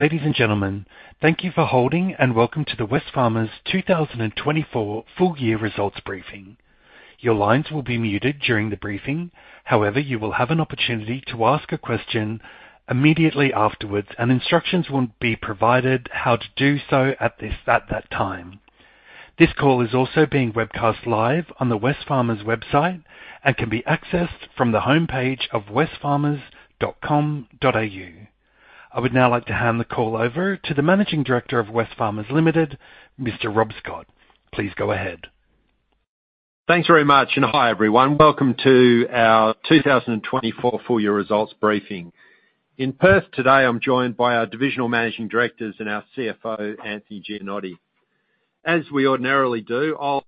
Ladies and gentlemen, thank you for holding, and welcome to the Wesfarmers' 2024 full-year results briefing. Your lines will be muted during the briefing. However, you will have an opportunity to ask a question immediately afterwards, and instructions will be provided how to do so at that time. This call is also being webcast live on the Wesfarmers website and can be accessed from the homepage of wesfarmers.com.au. I would now like to hand the call over to the Managing Director of Wesfarmers Limited, Mr. Rob Scott. Please go ahead. Thanks very much, and hi, everyone. Welcome to our two thousand and twenty-four full year results briefing. In Perth today, I'm joined by our Divisional Managing Directors and our CFO, Anthony Gianotti. As we ordinarily do, I'll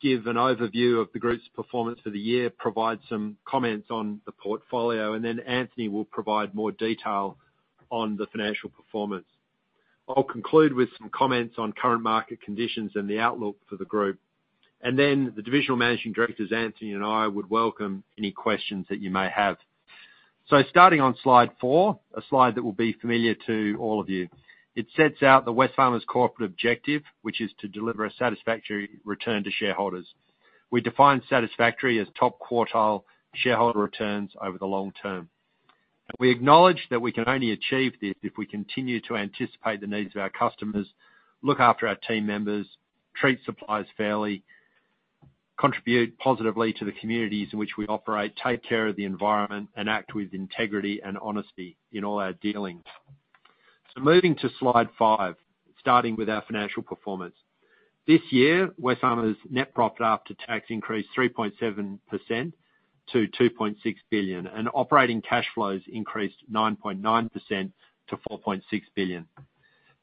give an overview of the group's performance for the year, provide some comments on the portfolio, and then Anthony will provide more detail on the financial performance. I'll conclude with some comments on current market conditions and the outlook for the group, and then the Divisional Managing Directors, Anthony and I, would welcome any questions that you may have, so starting on slide four, a slide that will be familiar to all of you. It sets out the Wesfarmers corporate objective, which is to deliver a satisfactory return to shareholders. We define satisfactory as top-quartile shareholder returns over the long term. We acknowledge that we can only achieve this if we continue to anticipate the needs of our customers, look after our team members, treat suppliers fairly, contribute positively to the communities in which we operate, take care of the environment, and act with integrity and honesty in all our dealings. Moving to slide five, starting with our financial performance. This year, Wesfarmers' net profit after tax increased 3.7% to 2.6 billion, and operating cash flows increased 9.9% to 4.6 billion.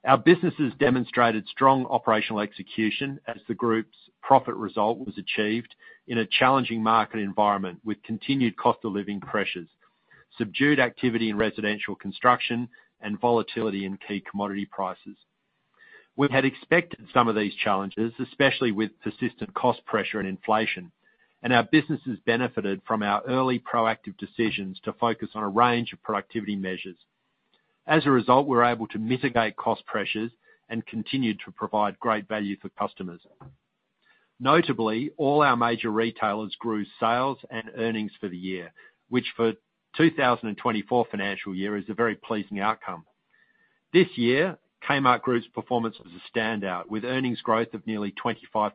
Our businesses demonstrated strong operational execution as the group's profit result was achieved in a challenging market environment, with continued cost of living pressures, subdued activity in residential construction, and volatility in key commodity prices. We had expected some of these challenges, especially with persistent cost pressure and inflation, and our businesses benefited from our early proactive decisions to focus on a range of productivity measures. As a result, we're able to mitigate cost pressures and continue to provide great value for customers. Notably, all our major retailers grew sales and earnings for the year, which, for the two thousand and twenty-four financial year, is a very pleasing outcome. This year, Kmart Group's performance was a standout, with earnings growth of nearly 25%,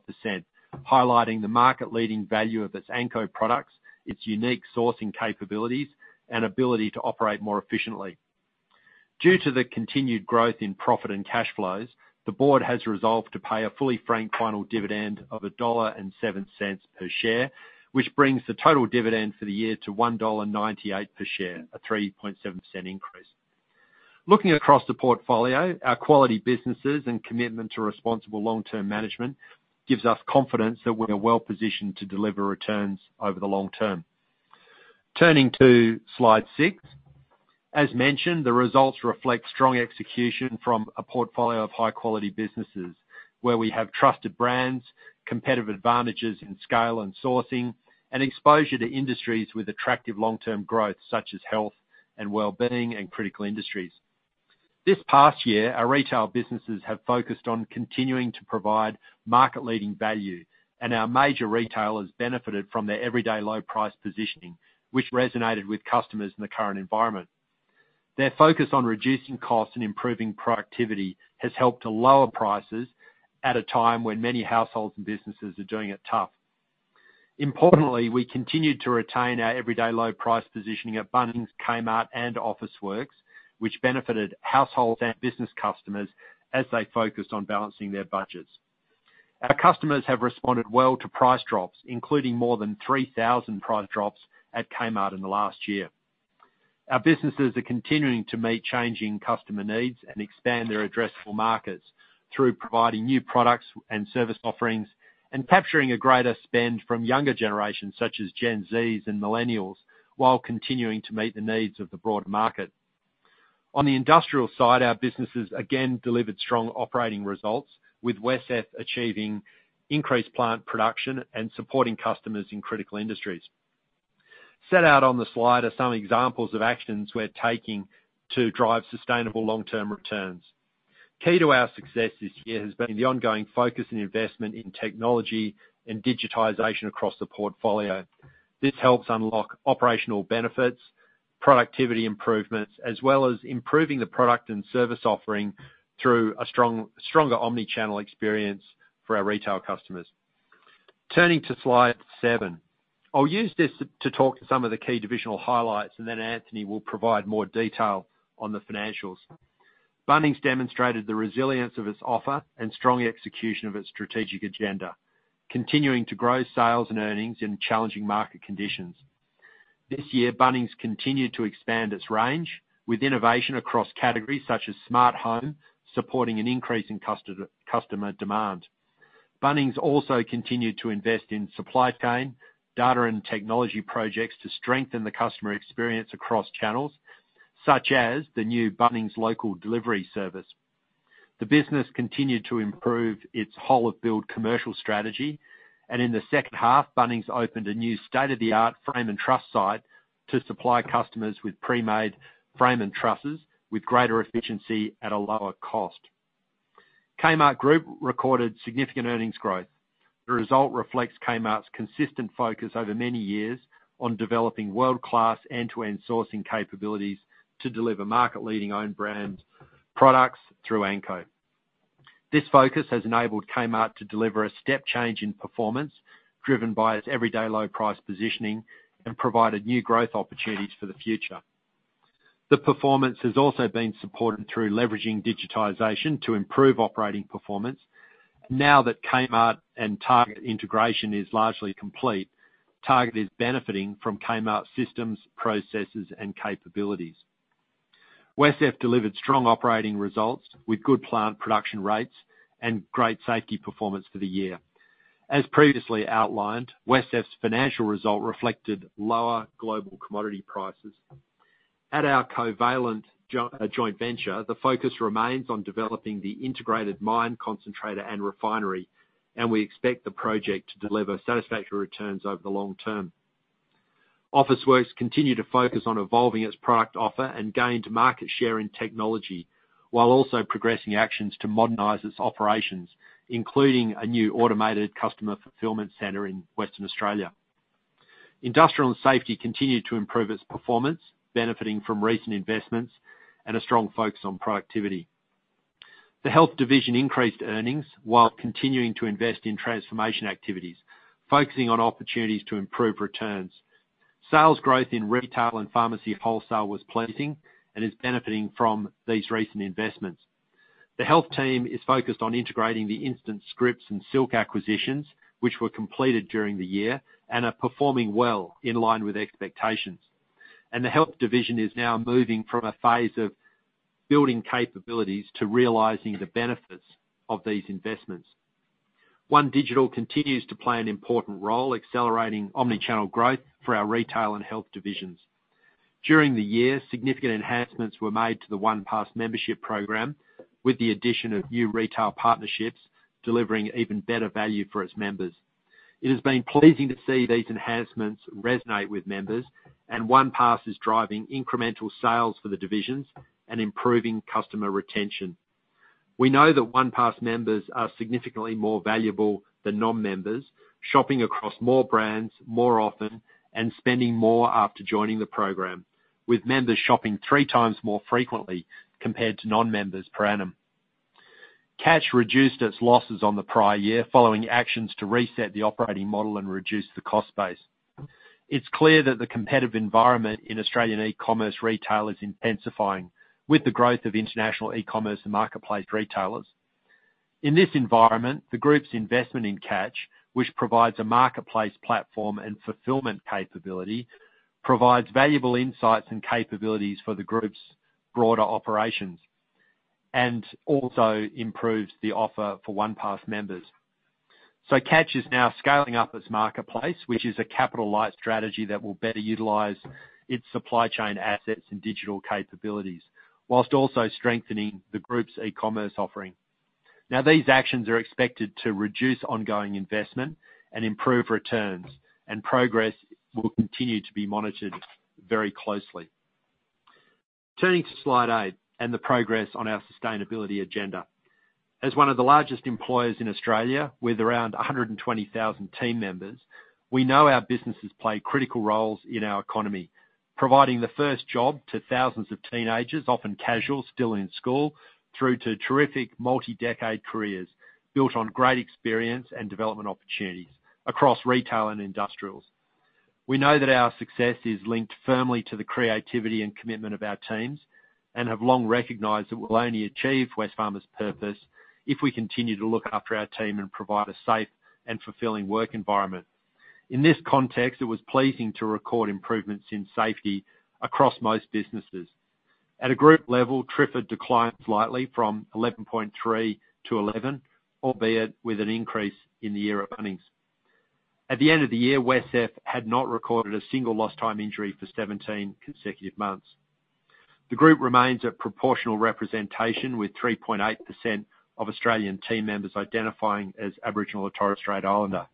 highlighting the market-leading value of its Anko products, its unique sourcing capabilities, and ability to operate more efficiently. Due to the continued growth in profit and cash flows, the board has resolved to pay a fully franked final dividend of 1.07 dollar per share, which brings the total dividend for the year to 1.98 dollar per share, a 3.7% increase. Looking across the portfolio, our quality businesses and commitment to responsible long-term management gives us confidence that we're well-positioned to deliver returns over the long term. Turning to slide six. As mentioned, the results reflect strong execution from a portfolio of high-quality businesses, where we have trusted brands, competitive advantages in scale and sourcing, and exposure to industries with attractive long-term growth, such as health and well-being and critical industries. This past year, our retail businesses have focused on continuing to provide market-leading value, and our major retailers benefited from their everyday low price positioning, which resonated with customers in the current environment. Their focus on reducing costs and improving productivity has helped to lower prices at a time when many households and businesses are doing it tough. Importantly, we continued to retain our everyday low price positioning at Bunnings, Kmart, and Officeworks, which benefited households and business customers as they focused on balancing their budgets. Our customers have responded well to price drops, including more than 3,000 price drops at Kmart in the last year. Our businesses are continuing to meet changing customer needs and expand their addressable markets through providing new products and service offerings, and capturing a greater spend from younger generations, such as Gen Zs and millennials, while continuing to meet the needs of the broader market. On the industrial side, our businesses again delivered strong operating results, with WesCEF achieving increased plant production and supporting customers in critical industries. Set out on the slide are some examples of actions we're taking to drive sustainable long-term returns. Key to our success this year has been the ongoing focus and investment in technology and digitization across the portfolio. This helps unlock operational benefits, productivity improvements, as well as improving the product and service offering through a strong, stronger omnichannel experience for our retail customers. Turning to slide seven. I'll use this to talk to some of the key divisional highlights, and then Anthony will provide more detail on the financials. Bunnings demonstrated the resilience of its offer and strong execution of its strategic agenda, continuing to grow sales and earnings in challenging market conditions. This year, Bunnings continued to expand its range with innovation across categories such as Smart Home, supporting an increase in customer demand. Bunnings also continued to invest in supply chain, data and technology projects to strengthen the customer experience across channels, such as the new Bunnings local delivery service. The business continued to improve its whole-of-build commercial strategy, and in the second half, Bunnings opened a new state-of-the-art frame and truss site to supply customers with pre-made frame and trusses with greater efficiency at a lower cost. Kmart Group recorded significant earnings growth. The result reflects Kmart's consistent focus over many years on developing world-class, end-to-end sourcing capabilities to deliver market-leading own brands products through Anko. This focus has enabled Kmart to deliver a step change in performance, driven by its everyday low price positioning, and provided new growth opportunities for the future. The performance has also been supported through leveraging digitization to improve operating performance. Now that Kmart and Target integration is largely complete, Target is benefiting from Kmart's systems, processes, and capabilities. WesCEF delivered strong operating results with good plant production rates and great safety performance for the year. As previously outlined, WesCEF's financial result reflected lower global commodity prices. At our Covalent joint venture, the focus remains on developing the integrated mine concentrator and refinery, and we expect the project to deliver satisfactory returns over the long term. Officeworks continued to focus on evolving its product offer and gained market share in technology, while also progressing actions to modernize its operations, including a new automated customer fulfillment center in Western Australia. Industrial and Safety continued to improve its performance, benefiting from recent investments and a strong focus on productivity. The Health division increased earnings while continuing to invest in transformation activities, focusing on opportunities to improve returns. Sales growth in retail and pharmacy wholesale was pleasing and is benefiting from these recent investments. The Health team is focused on integrating the InstantScripts and Silk acquisitions, which were completed during the year and are performing well in line with expectations, and the Health division is now moving from a phase of building capabilities to realizing the benefits of these investments. OneDigital continues to play an important role, accelerating omnichannel growth for our Retail and Health divisions. During the year, significant enhancements were made to the OnePass membership program, with the addition of new retail partnerships, delivering even better value for its members. It has been pleasing to see these enhancements resonate with members, and OnePass is driving incremental sales for the divisions and improving customer retention. We know that OnePass members are significantly more valuable than non-members, shopping across more brands more often and spending more after joining the program, with members shopping three times more frequently compared to non-members per annum. Catch reduced its losses on the prior year, following actions to reset the operating model and reduce the cost base. It's clear that the competitive environment in Australian e-commerce retail is intensifying, with the growth of international e-commerce and marketplace retailers. In this environment, the Group's investment in Catch, which provides a marketplace platform and fulfillment capability, provides valuable insights and capabilities for the Group's broader operations, and also improves the offer for OnePass members. So Catch is now scaling up its marketplace, which is a capital-light strategy that will better utilize its supply chain assets and digital capabilities, while also strengthening the Group's e-commerce offering. Now, these actions are expected to reduce ongoing investment and improve returns, and progress will continue to be monitored very closely. Turning to Slide eight and the progress on our sustainability agenda. As one of the largest employers in Australia, with around 120,000 team members, we know our businesses play critical roles in our economy, providing the first job to thousands of teenagers, often casual, still in school, through to terrific multi-decade careers built on great experience and development opportunities across retail and industrials. We know that our success is linked firmly to the creativity and commitment of our teams, and have long recognized that we'll only achieve Wesfarmers' purpose if we continue to look after our team and provide a safe and fulfilling work environment. In this context, it was pleasing to record improvements in safety across most businesses. At a group level, TRIFR declined slightly from 11.3 to 11, albeit with an increase in the year at Bunnings. At the end of the year, WesCEF had not recorded a single lost time injury for seventeen consecutive months. The Group remains at proportional representation, with 3.8% of Australian team members identifying as Aboriginal or Torres Strait Islander,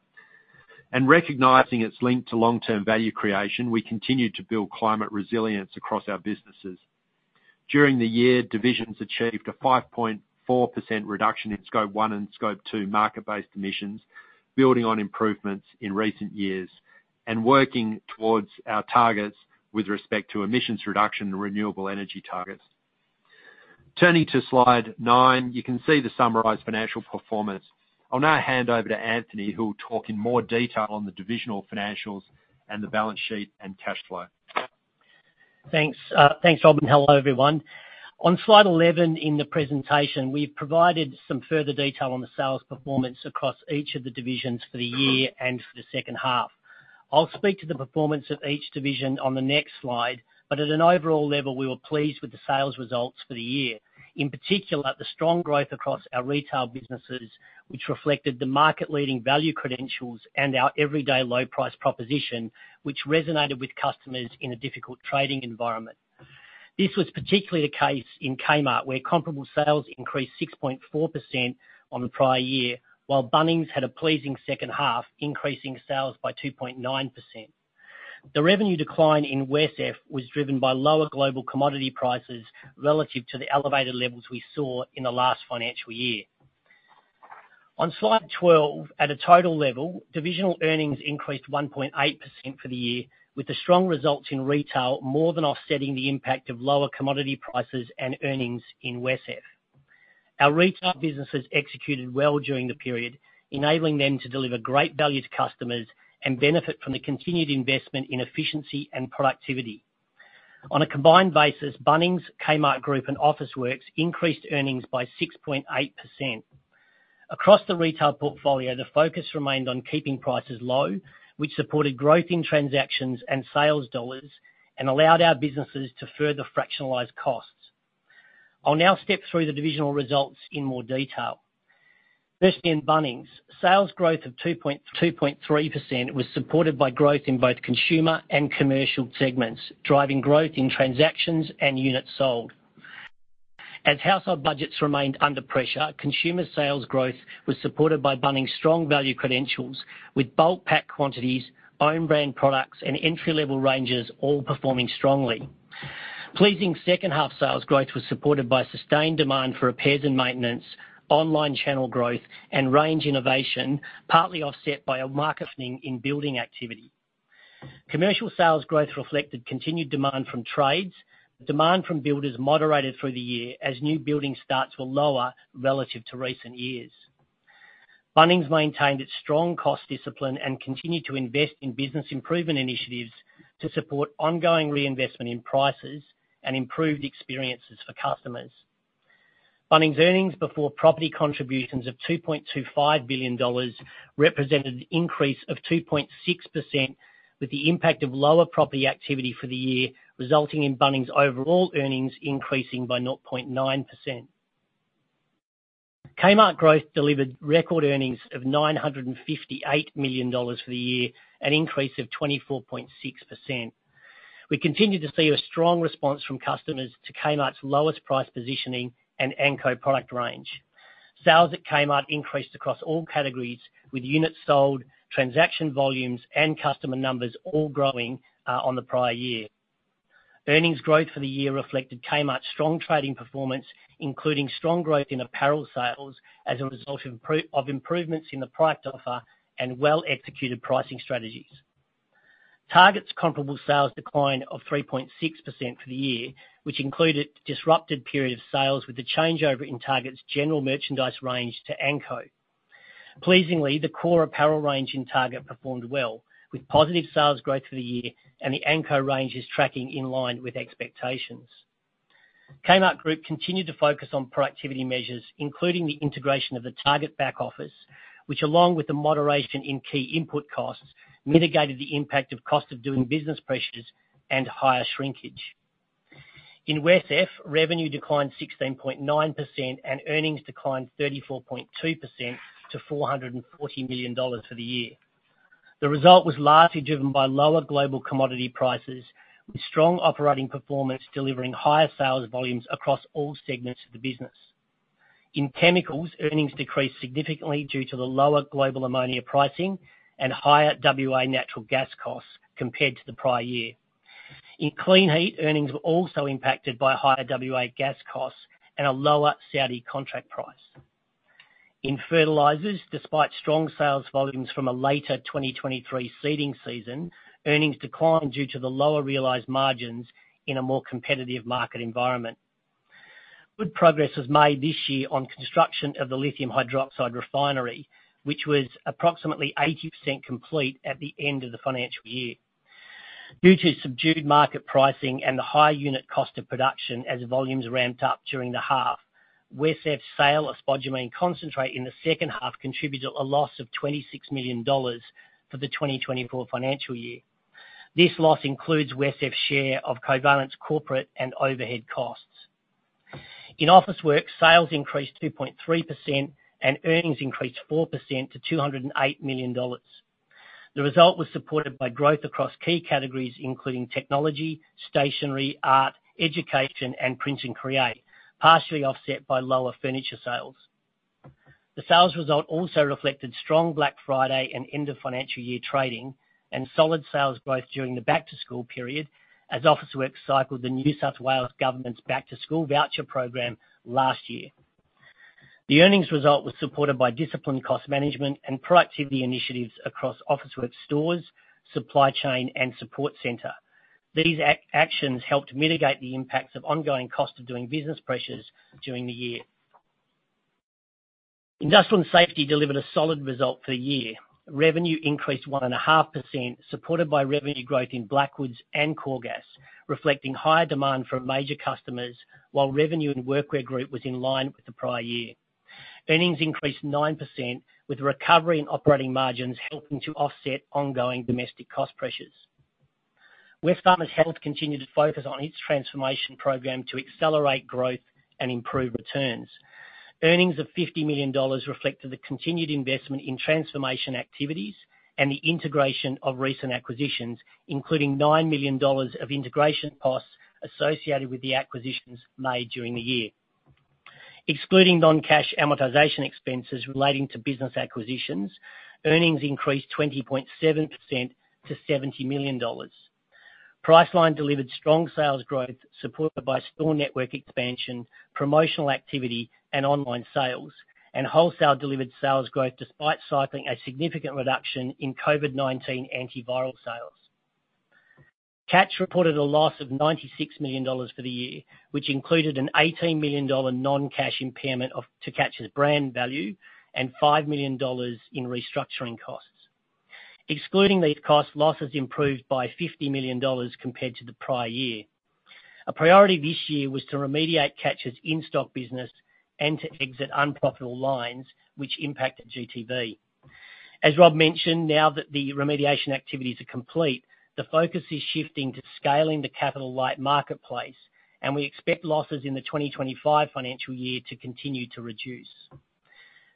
and recognizing its link to long-term value creation, we continued to build climate resilience across our businesses. During the year, divisions achieved a 5.4% reduction in Scope One and Scope Two market-based emissions, building on improvements in recent years and working towards our targets with respect to emissions reduction and renewable energy targets. Turning to Slide 9, you can see the summarized financial performance. I'll now hand over to Anthony, who will talk in more detail on the divisional financials and the balance sheet and cash flow. Thanks, thanks, Rob. Hello, everyone. On Slide eleven in the presentation, we've provided some further detail on the sales performance across each of the divisions for the year and for the second half. I'll speak to the performance of each division on the next slide, but at an overall level, we were pleased with the sales results for the year. In particular, the strong growth across our retail businesses, which reflected the market-leading value credentials and our everyday low price proposition, which resonated with customers in a difficult trading environment. This was particularly the case in Kmart, where comparable sales increased 6.4% on the prior year, while Bunnings had a pleasing second half, increasing sales by 2.9%. The revenue decline in WesCEF was driven by lower global commodity prices relative to the elevated levels we saw in the last financial year. On Slide 12, at a total level, divisional earnings increased 1.8% for the year, with the strong results in retail more than offsetting the impact of lower commodity prices and earnings in WesCEF. Our retail businesses executed well during the period, enabling them to deliver great value to customers and benefit from the continued investment in efficiency and productivity. On a combined basis, Bunnings, Kmart Group, and Officeworks increased earnings by 6.8%. Across the retail portfolio, the focus remained on keeping prices low, which supported growth in transactions and sales dollars and allowed our businesses to further fractionalize costs. I'll now step through the divisional results in more detail. Firstly, in Bunnings, sales growth of 2.3% was supported by growth in both consumer and commercial segments, driving growth in transactions and units sold. As household budgets remained under pressure, consumer sales growth was supported by Bunnings' strong value credentials, with bulk pack quantities, own brand products, and entry-level ranges all performing strongly. Pleasing second half sales growth was supported by sustained demand for repairs and maintenance, online channel growth, and range innovation, partly offset by a moderation in building activity. Commercial sales growth reflected continued demand from trades. Demand from builders moderated through the year as new building starts were lower relative to recent years. Bunnings maintained its strong cost discipline and continued to invest in business improvement initiatives to support ongoing reinvestment in prices and improved experiences for customers. Bunnings' earnings before property contributions of 2.25 billion dollars represented an increase of 2.6%, with the impact of lower property activity for the year, resulting in Bunnings' overall earnings increasing by 0.9%. Kmart growth delivered record earnings of 958 million dollars for the year, an increase of 24.6%. We continued to see a strong response from customers to Kmart's lowest price positioning and Anko product range. Sales at Kmart increased across all categories, with units sold, transaction volumes, and customer numbers all growing on the prior year. Earnings growth for the year reflected Kmart's strong trading performance, including strong growth in apparel sales as a result of of improvements in the product offer and well-executed pricing strategies. Target's comparable sales declined of 3.6% for the year, which included disrupted period of sales with the changeover in Target's general merchandise range to Anko. Pleasingly, the core apparel range in Target performed well, with positive sales growth for the year, and the Anko range is tracking in line with expectations. Kmart Group continued to focus on productivity measures, including the integration of the Target back office, which, along with the moderation in key input costs, mitigated the impact of cost of doing business pressures and higher shrinkage. In WesCEF, revenue declined 16.9%, and earnings declined 34.2% to 440 million dollars for the year. The result was largely driven by lower global commodity prices, with strong operating performance delivering higher sales volumes across all segments of the business. In chemicals, earnings decreased significantly due to the lower global ammonia pricing and higher WA natural gas costs compared to the prior year. In Kleenheat, earnings were also impacted by higher WA gas costs and a lower Saudi contract price. In fertilizers, despite strong sales volumes from a later 2023 seeding season, earnings declined due to the lower realized margins in a more competitive market environment. Good progress was made this year on construction of the lithium hydroxide refinery, which was approximately 80% complete at the end of the financial year. Due to subdued market pricing and the high unit cost of production as volumes ramped up during the half, WesCEF's sale of spodumene concentrate in the second half contributed a loss of 26 million dollars for the 2024 financial year. This loss includes WesCEF's share of Covalent's corporate and overhead costs. In Officeworks, sales increased 2.3%, and earnings increased 4% to 208 million dollars. The result was supported by growth across key categories, including technology, stationery, art, education, and print and create, partially offset by lower furniture sales. The sales result also reflected strong Black Friday and end-of-financial year trading and solid sales growth during the back-to-school period, as Officeworks cycled the New South Wales government's back-to-school voucher program last year. The earnings result was supported by disciplined cost management and productivity initiatives across Officeworks stores, supply chain, and support center. These actions helped mitigate the impacts of ongoing cost of doing business pressures during the year. Industrial and Safety delivered a solid result for the year. Revenue increased 1.5%, supported by revenue growth in Blackwoods and Coregas, reflecting higher demand from major customers, while revenue in Workwear Group was in line with the prior year. Earnings increased 9%, with recovery in operating margins helping to offset ongoing domestic cost pressures. Wesfarmers Health continued to focus on its transformation program to accelerate growth and improve returns. Earnings of 50 million dollars reflected the continued investment in transformation activities and the integration of recent acquisitions, including 9 million dollars of integration costs associated with the acquisitions made during the year, excluding non-cash amortization expenses relating to business acquisitions. Earnings increased 20.7% to 70 million dollars. Priceline delivered strong sales growth, supported by store network expansion, promotional activity, and online sales, and wholesale delivered sales growth, despite cycling a significant reduction in COVID-19 antiviral sales. Catch reported a loss of 96 million dollars for the year, which included an 18 million dollar non-cash impairment of Catch's brand value and 5 million dollars in restructuring costs. Excluding these costs, losses improved by 50 million dollars compared to the prior year. A priority this year was to remediate Catch's in-stock business and to exit unprofitable lines, which impacted GTV. As Rob mentioned, now that the remediation activities are complete, the focus is shifting to scaling the capital light marketplace, and we expect losses in the twenty twenty-five financial year to continue to reduce.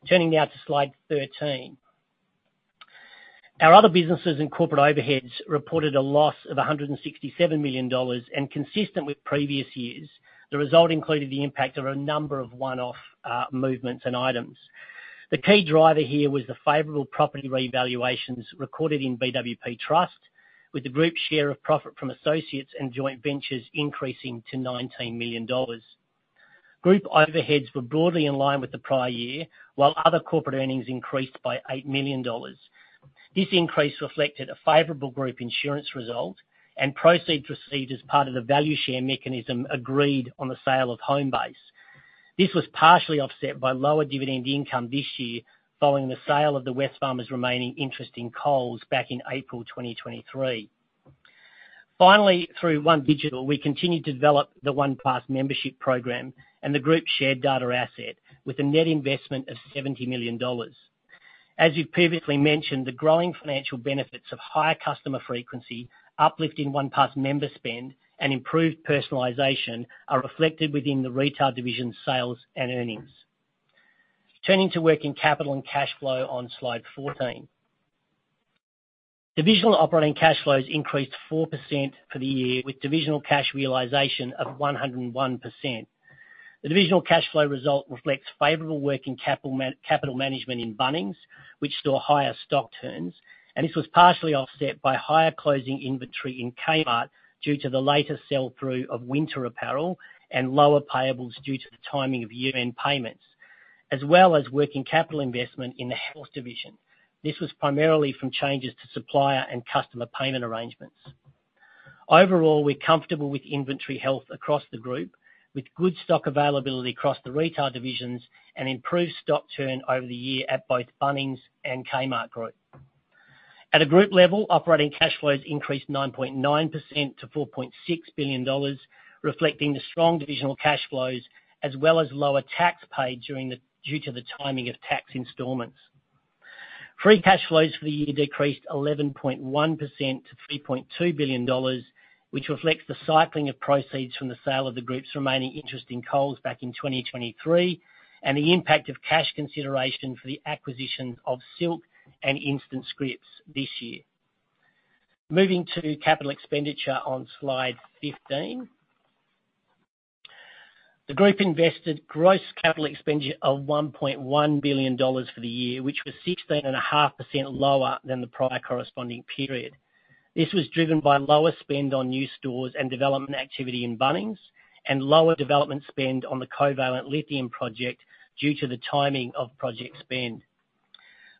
Turning now to Slide 13. Our other businesses and corporate overheads reported a loss of 167 million dollars, and consistent with previous years, the result included the impact of a number of one-off movements and items. The key driver here was the favorable property revaluations recorded in BWP Trust, with the group's share of profit from associates and joint ventures increasing to 19 million dollars. Group overheads were broadly in line with the prior year, while other corporate earnings increased by 8 million dollars. This increase reflected a favorable group insurance result and proceeds received as part of the value share mechanism agreed on the sale of Homebase. This was partially offset by lower dividend income this year, following the sale of the Wesfarmers' remaining interest in Coles back in April twenty twenty-three. Finally, through OneDigital, we continued to develop the OnePass membership program and the group's shared data asset with a net investment of 70 million dollars. As we've previously mentioned, the growing financial benefits of higher customer frequency, uplift in OnePass member spend, and improved personalization are reflected within the retail division's sales and earnings. Turning to working capital and cash flow on Slide 14. Divisional operating cash flows increased 4% for the year, with divisional cash realization of 101%. The divisional cash flow result reflects favorable working capital management in Bunnings, which saw higher stock turns, and this was partially offset by higher closing inventory in Kmart due to the later sell-through of winter apparel and lower payables due to the timing of year-end payments, as well as working capital investment in the health division. This was primarily from changes to supplier and customer payment arrangements. Overall, we're comfortable with inventory health across the group, with good stock availability across the retail divisions and improved stock turn over the year at both Bunnings and Kmart Group. At a group level, operating cash flows increased 9.9% to 4.6 billion dollars, reflecting the strong divisional cash flows as well as lower tax paid due to the timing of tax installments. Free cash flows for the year decreased 11.1% to 3.2 billion dollars, which reflects the cycling of proceeds from the sale of the group's remaining interest in Coles back in 2023, and the impact of cash consideration for the acquisition of Silk and Instant Scripts this year. Moving to capital expenditure on Slide 15. The group invested gross capital expenditure of 1.1 billion dollars for the year, which was 16.5% lower than the prior corresponding period. This was driven by lower spend on new stores and development activity in Bunnings and lower development spend on the Covalent Lithium project due to the timing of project spend.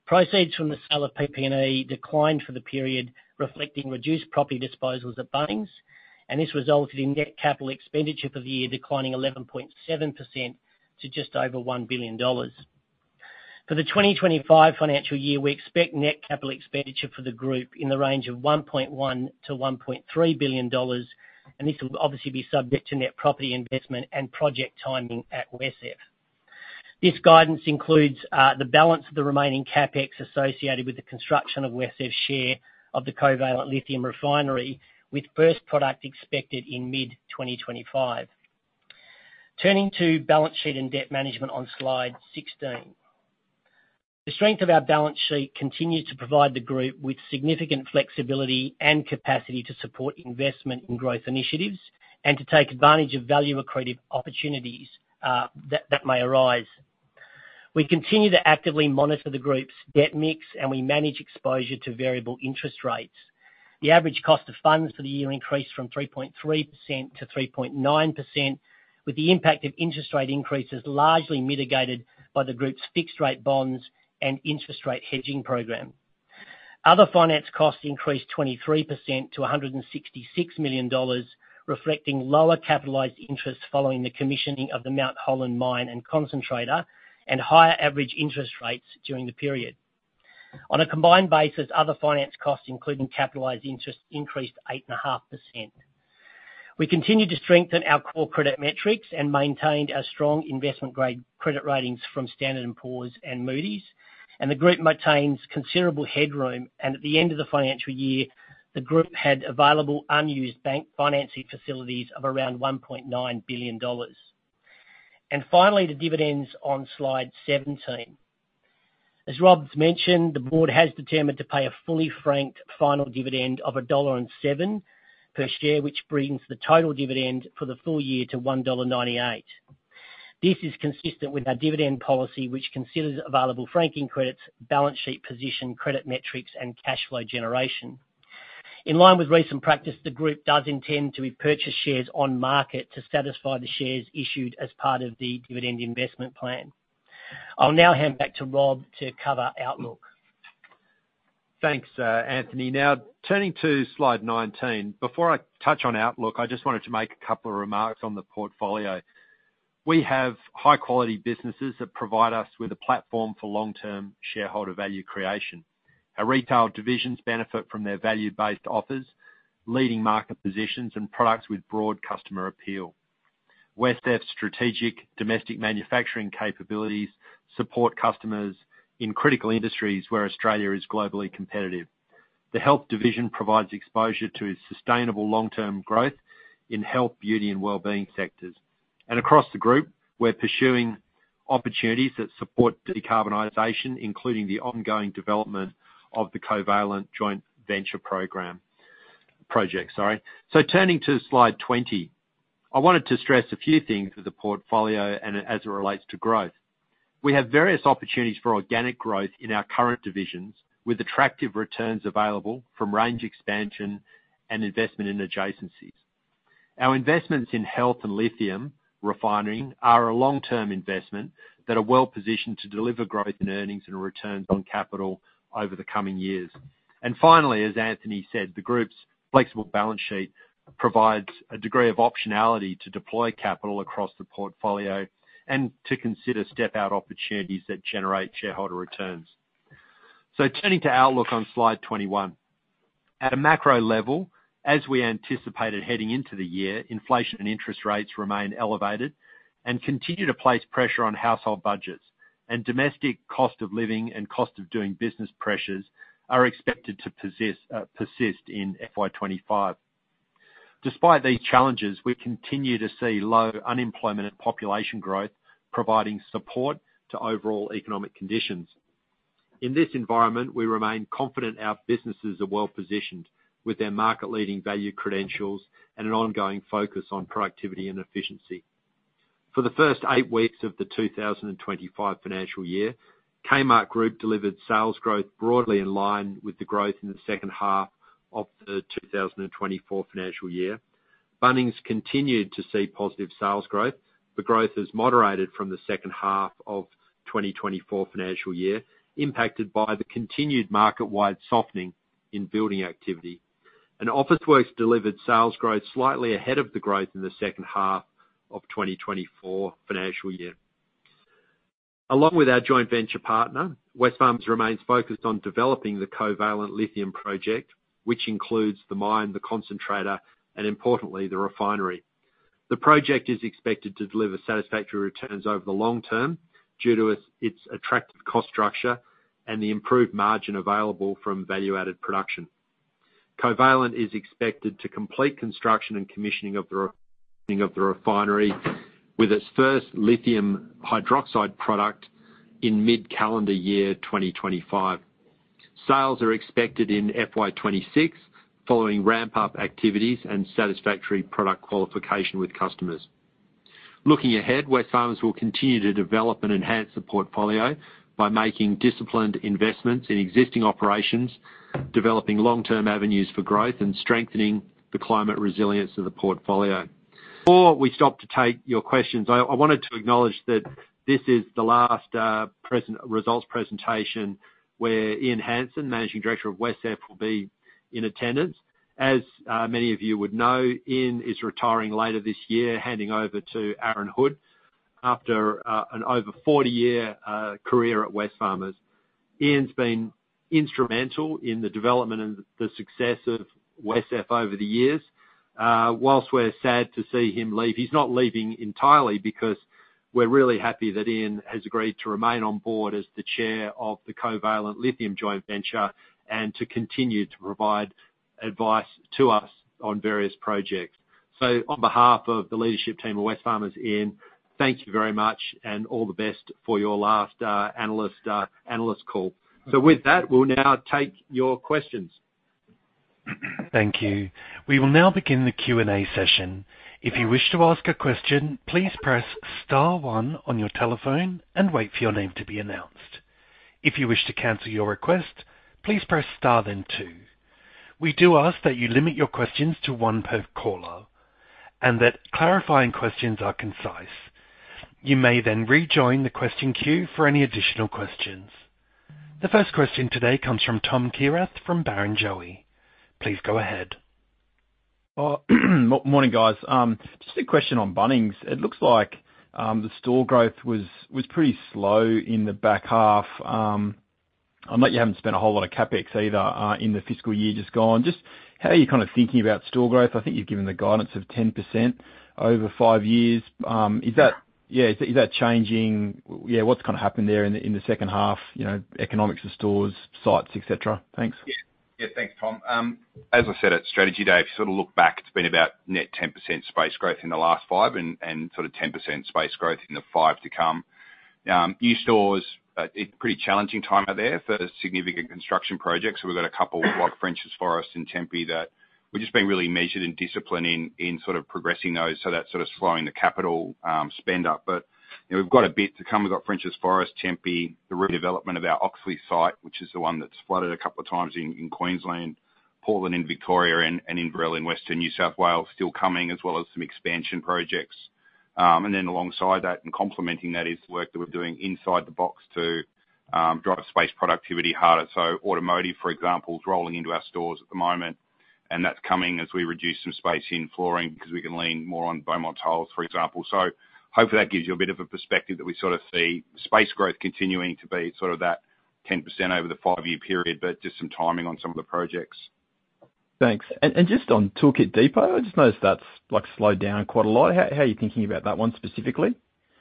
Proceeds from the sale of PP&E declined for the period, reflecting reduced property disposals at Bunnings, and this resulted in net capital expenditure for the year declining 11.7% to just over 1 billion dollars. For the 2025 financial year, we expect net capital expenditure for the group in the range of 1.1-1.3 billion dollars, and this will obviously be subject to net property investment and project timing at WesCEF. This guidance includes the balance of the remaining CapEx associated with the construction of WesCEF's share of the Covalent Lithium Refinery, with first product expected in mid-2025. Turning to balance sheet and debt management on slide 16. The strength of our balance sheet continues to provide the group with significant flexibility and capacity to support investment in growth initiatives and to take advantage of value-accretive opportunities that may arise. We continue to actively monitor the group's debt mix, and we manage exposure to variable interest rates. The average cost of funds for the year increased from 3.3% to 3.9%, with the impact of interest rate increases largely mitigated by the group's fixed-rate bonds and interest rate hedging program. Other finance costs increased 23% to 166 million dollars, reflecting lower capitalized interest following the commissioning of the Mount Holland mine and concentrator and higher average interest rates during the period. On a combined basis, other finance costs, including capitalized interest, increased 8.5%. We continued to strengthen our core credit metrics and maintained our strong investment-grade credit ratings from Standard & Poor's and Moody's, and the group maintains considerable headroom, and at the end of the financial year, the group had available unused bank financing facilities of around 1.9 billion dollars, and finally, the dividends on Slide 17. ...As Rob's mentioned, the board has determined to pay a fully franked final dividend of 1.07 dollar per share, which brings the total dividend for the full year to 1.98 dollar. This is consistent with our dividend policy, which considers available franking credits, balance sheet position, credit metrics, and cash flow generation. In line with recent practice, the group does intend to repurchase shares on market to satisfy the shares issued as part of the dividend investment plan. I'll now hand back to Rob to cover outlook. Thanks, Anthony. Now, turning to Slide nineteen, before I touch on outlook, I just wanted to make a couple of remarks on the portfolio. We have high-quality businesses that provide us with a platform for long-term shareholder value creation. Our retail divisions benefit from their value-based offers, leading market positions, and products with broad customer appeal. WesCEF strategic domestic manufacturing capabilities support customers in critical industries where Australia is globally competitive. The health division provides exposure to sustainable long-term growth in health, beauty, and wellbeing sectors, and across the group, we're pursuing opportunities that support decarbonization, including the ongoing development of the Covalent Joint Venture project. So turning to Slide twenty, I wanted to stress a few things with the portfolio and as it relates to growth. We have various opportunities for organic growth in our current divisions, with attractive returns available from range expansion and investment in adjacencies. Our investments in health and lithium refining are a long-term investment that are well-positioned to deliver growth in earnings and returns on capital over the coming years. Finally, as Anthony said, the group's flexible balance sheet provides a degree of optionality to deploy capital across the portfolio and to consider step-out opportunities that generate shareholder returns. Turning to outlook on Slide 21. At a macro level, as we anticipated heading into the year, inflation and interest rates remain elevated and continue to place pressure on household budgets, and domestic cost of living and cost of doing business pressures are expected to persist, persist in FY 2025. Despite these challenges, we continue to see low unemployment and population growth, providing support to overall economic conditions. In this environment, we remain confident our businesses are well-positioned, with their market-leading value credentials and an ongoing focus on productivity and efficiency. For the first eight weeks of the 2025 financial year, Kmart Group delivered sales growth broadly in line with the growth in the second half of the 2024 financial year. Bunnings continued to see positive sales growth. The growth has moderated from the second half of 2024 financial year, impacted by the continued market-wide softening in building activity, and Officeworks delivered sales growth slightly ahead of the growth in the second half of 2024 financial year. Along with our joint venture partner, Wesfarmers remains focused on developing the Covalent Lithium project, which includes the mine, the concentrator, and importantly, the refinery. The project is expected to deliver satisfactory returns over the long term due to its attractive cost structure and the improved margin available from value-added production. Covalent is expected to complete construction and commissioning of the refinery with its first lithium hydroxide product in mid-calendar year 2025. Sales are expected in FY 2026, following ramp-up activities and satisfactory product qualification with customers. Looking ahead, Wesfarmers will continue to develop and enhance the portfolio by making disciplined investments in existing operations, developing long-term avenues for growth, and strengthening the climate resilience of the portfolio. Before we stop to take your questions, I wanted to acknowledge that this is the last results presentation, where Ian Hansen, Managing Director of WesCEF, will be in attendance. As many of you would know, Ian is retiring later this year, handing over to Aaron Hood after an over forty-year career at Wesfarmers. Ian's been instrumental in the development and the success of WesCEF over the years. While we're sad to see him leave, he's not leaving entirely, because we're really happy that Ian has agreed to remain on board as the chair of the Covalent Lithium Joint Venture and to continue to provide advice to us on various projects. So on behalf of the leadership team of Wesfarmers, Ian, thank you very much, and all the best for your last analyst call. So with that, we'll now take your questions. Thank you. We will now begin the Q&A session. If you wish to ask a question, please press star one on your telephone and wait for your name to be announced. If you wish to cancel your request, please press star, then two. We do ask that you limit your questions to one per caller, and that clarifying questions are concise. You may then rejoin the question queue for any additional questions. The first question today comes from Tom Kierath from Barrenjoey. Please go ahead. Morning, guys. Just a question on Bunnings. It looks like the store growth was pretty slow in the back half. And that you haven't spent a whole lot of CapEx either in the fiscal year just gone. Just how are you kind of thinking about store growth? I think you've given the guidance of 10% over five years. Is that changing? Yeah, what's kind of happened there in the second half, you know, economics of stores, sites, et cetera? Thanks.... Yeah, thanks, Tom. As I said, at Strategy Day, if you sort of look back, it's been about net 10% space growth in the last five and sort of 10% space growth in the five to come. New stores, it's pretty challenging time out there for significant construction projects. So we've got a couple, like Frenchs Forest in Tempe, that we've just been really measured and disciplined in sort of progressing those, so that's sort of slowing the capital spend up. But, you know, we've got a bit to come. We've got Frenchs Forest, Tempe, the redevelopment of our Oxley site, which is the one that's flooded a couple of times in Queensland, Portland, in Victoria, and in Bowral, in Western New South Wales, still coming, as well as some expansion projects. And then alongside that, and complementing that, is the work that we're doing inside the box to drive space productivity harder. So automotive, for example, is rolling into our stores at the moment, and that's coming as we reduce some space in flooring, 'cause we can lean more on Beaumont Tiles, for example. So hopefully that gives you a bit of a perspective that we sort of see space growth continuing to be sort of that 10% over the five-year period, but just some timing on some of the projects. Thanks, and just on Tool Kit Depot, I just noticed that's, like, slowed down quite a lot. How are you thinking about that one specifically?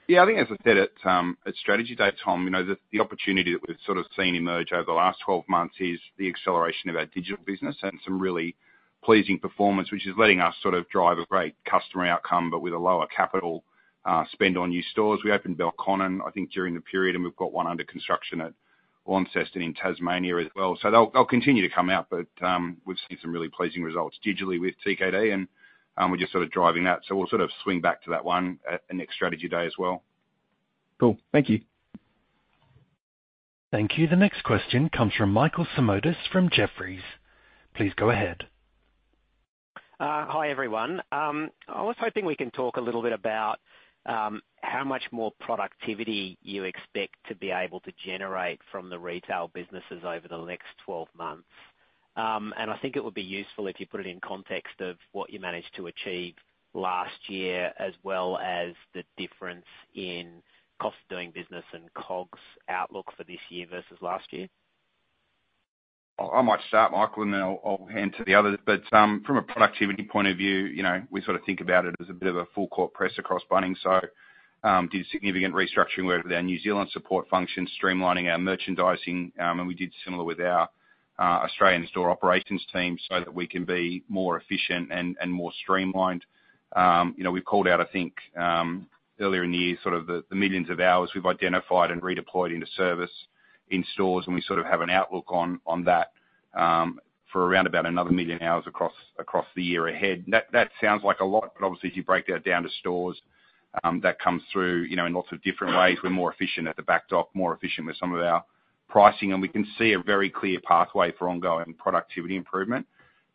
Yeah, I think, as I said, at Strategy Day, Tom, you know, the opportunity that we've sort of seen emerge over the last twelve months is the acceleration of our digital business, and some really pleasing performance, which is letting us sort of drive a great customer outcome, but with a lower capital spend on new stores. We opened Belconnen, I think, during the period, and we've got one under construction at Launceston in Tasmania as well. So they'll continue to come out, but we've seen some really pleasing results digitally with TKD, and we're just sort of driving that, so we'll sort of swing back to that one at the next Strategy Day as well. Cool. Thank you. Thank you. The next question comes from Michael Simotas from Jefferies. Please go ahead. Hi, everyone. I was hoping we can talk a little bit about how much more productivity you expect to be able to generate from the retail businesses over the next twelve months, and I think it would be useful if you put it in context of what you managed to achieve last year, as well as the difference in cost of doing business and COGS outlook for this year versus last year. I might start, Michael, and then I'll hand to the others. From a productivity point of view, you know, we sort of think about it as a bit of a full court press across Bunnings. Did a significant restructuring with our New Zealand support function, streamlining our merchandising, and we did similar with our Australian store operations team, so that we can be more efficient and more streamlined. You know, we've called out, I think, earlier in the year, sort of the millions of hours we've identified and redeployed into service in stores, and we sort of have an outlook on that for around about another million hours across the year ahead. That sounds like a lot, but obviously, if you break that down to stores, that comes through, you know, in lots of different ways. We're more efficient at the back dock, more efficient with some of our pricing, and we can see a very clear pathway for ongoing productivity improvement.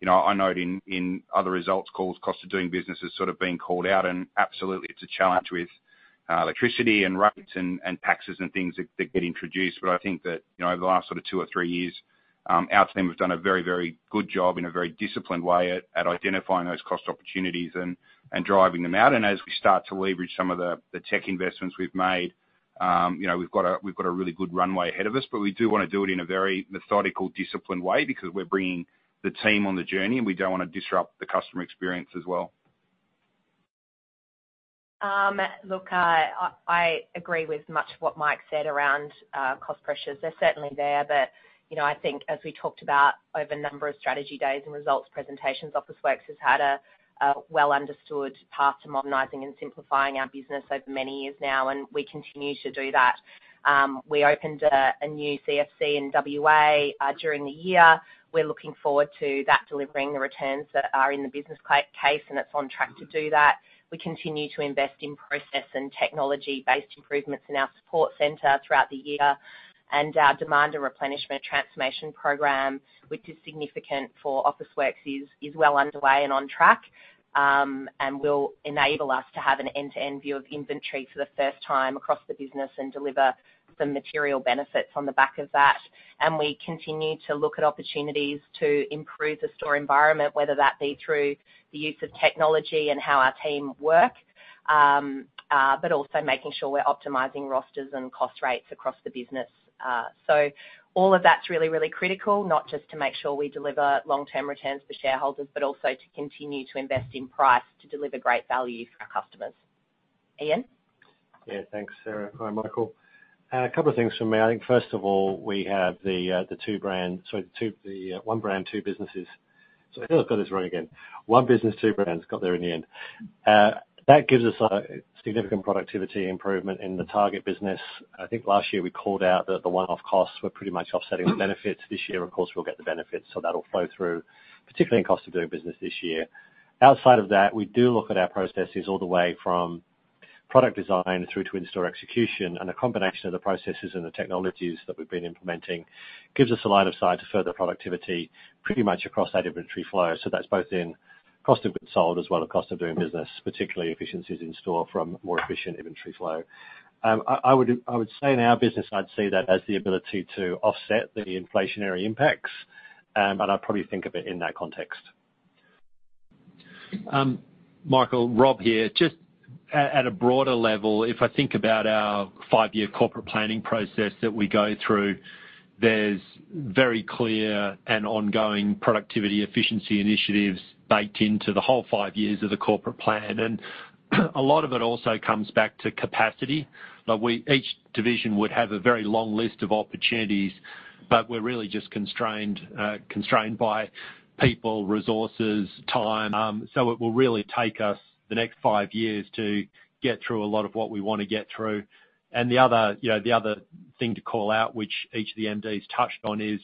You know, I note in other results calls, cost of doing business has sort of been called out, and absolutely, it's a challenge with electricity and rates and taxes and things that get introduced. But I think that, you know, over the last sort of two or three years, our team have done a very, very good job in a very disciplined way at identifying those cost opportunities and driving them out. As we start to leverage some of the tech investments we've made, you know, we've got a really good runway ahead of us, but we do wanna do it in a very methodical, disciplined way, because we're bringing the team on the journey, and we don't wanna disrupt the customer experience as well. Look, I agree with much of what Mike said around cost pressures. They're certainly there, but you know, I think as we talked about over a number of Strategy Days and results presentations, Officeworks has had a well-understood path to modernizing and simplifying our business over many years now, and we continue to do that. We opened a new CFC in WA during the year. We're looking forward to that delivering the returns that are in the business case, and it's on track to do that. We continue to invest in process and technology-based improvements in our support center throughout the year, and our demand and replenishment transformation program, which is significant for Officeworks, is well underway and on track, and will enable us to have an end-to-end view of inventory for the first time across the business and deliver some material benefits on the back of that. And we continue to look at opportunities to improve the store environment, whether that be through the use of technology and how our team work, but also making sure we're optimizing rosters and cost rates across the business. So all of that's really, really critical, not just to make sure we deliver long-term returns for shareholders, but also to continue to invest in price, to deliver great value for our customers. Ian? Yeah, thanks, Sarah. Hi, Michael. A couple of things from me. I think, first of all, we have the one brand, two businesses. So let's get this right again, one business, two brands, got there in the end. That gives us a significant productivity improvement in the Target business. I think last year we called out that the one-off costs were pretty much offsetting the benefits. This year, of course, we'll get the benefits, so that'll flow through, particularly in cost of doing business this year. Outside of that, we do look at our processes all the way from product design through to in-store execution, and a combination of the processes and the technologies that we've been implementing gives us a line of sight to further productivity pretty much across our inventory flow. So that's both in cost of goods sold as well as cost of doing business, particularly efficiencies in store from more efficient inventory flow. I would say in our business, I'd see that as the ability to offset the inflationary impacts, but I'd probably think of it in that context. Michael, Rob here. Just at a broader level, if I think about our five-year corporate planning process that we go through, there's very clear and ongoing productivity efficiency initiatives baked into the whole five years of the corporate plan, and...... A lot of it also comes back to capacity, but we, each division would have a very long list of opportunities, but we're really just constrained by people, resources, time. So it will really take us the next five years to get through a lot of what we want to get through. And the other, you know, the other thing to call out, which each of the MDs touched on, is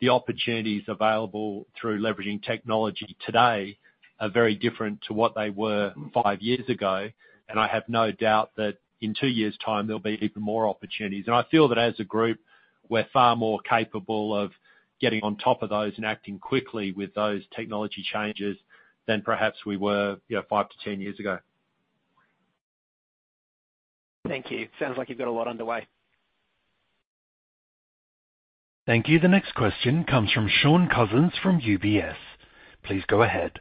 the opportunities available through leveraging technology today are very different to what they were five years ago, and I have no doubt that in two years' time, there'll be even more opportunities. And I feel that as a group, we're far more capable of getting on top of those and acting quickly with those technology changes than perhaps we were, you know, five to 10 years ago. Thank you. Sounds like you've got a lot underway. Thank you. The next question comes from Sean Cousins from UBS. Please go ahead.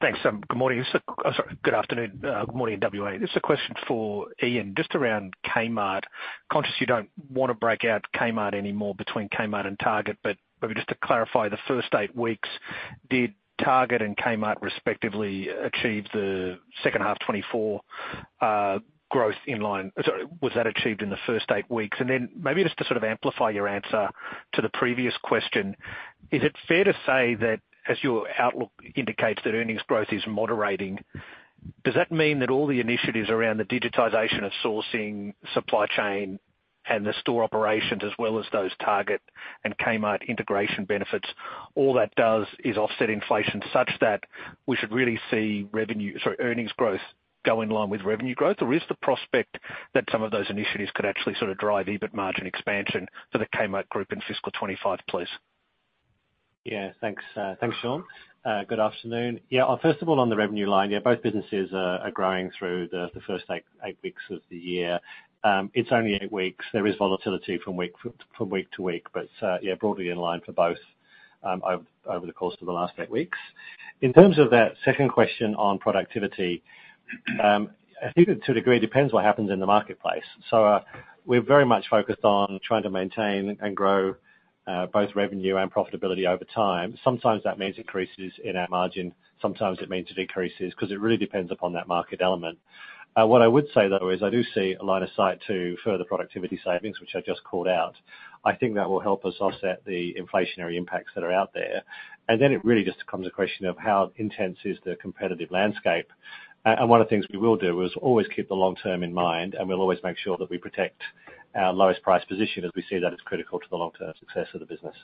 Thanks. Good morning. Sorry, good afternoon. Good morning, WA. This is a question for Ian, just around Kmart. Conscious you don't want to break out Kmart anymore between Kmart and Target, but maybe just to clarify, the first eight weeks, did Target and Kmart respectively achieve the second half 2024 growth in line? Sorry, was that achieved in the first eight weeks? And then, maybe just to sort of amplify your answer to the previous question, is it fair to say that as your outlook indicates that earnings growth is moderating, does that mean that all the initiatives around the digitization of sourcing, supply chain, and the store operations, as well as those Target and Kmart integration benefits, all that does is offset inflation such that we should really see revenue, sorry, earnings growth go in line with revenue growth, or is the prospect that some of those initiatives could actually sort of drive EBIT margin expansion for the Kmart Group in fiscal 2025, please? Yeah, thanks. Thanks, Sean. Good afternoon. Yeah, first of all, on the revenue line, yeah, both businesses are growing through the first eight weeks of the year. It's only eight weeks. There is volatility from week to week, but yeah, broadly in line for both over the course of the last eight weeks. In terms of that second question on productivity, I think it to a degree depends what happens in the marketplace. So, we're very much focused on trying to maintain and grow both revenue and profitability over time. Sometimes that means increases in our margin, sometimes it means it decreases, 'cause it really depends upon that market element. What I would say, though, is I do see a line of sight to further productivity savings, which I just called out. I think that will help us offset the inflationary impacts that are out there. And then it really just becomes a question of how intense is the competitive landscape. And one of the things we will do is always keep the long term in mind, and we'll always make sure that we protect our lowest price position, as we see that as critical to the long-term success of the business.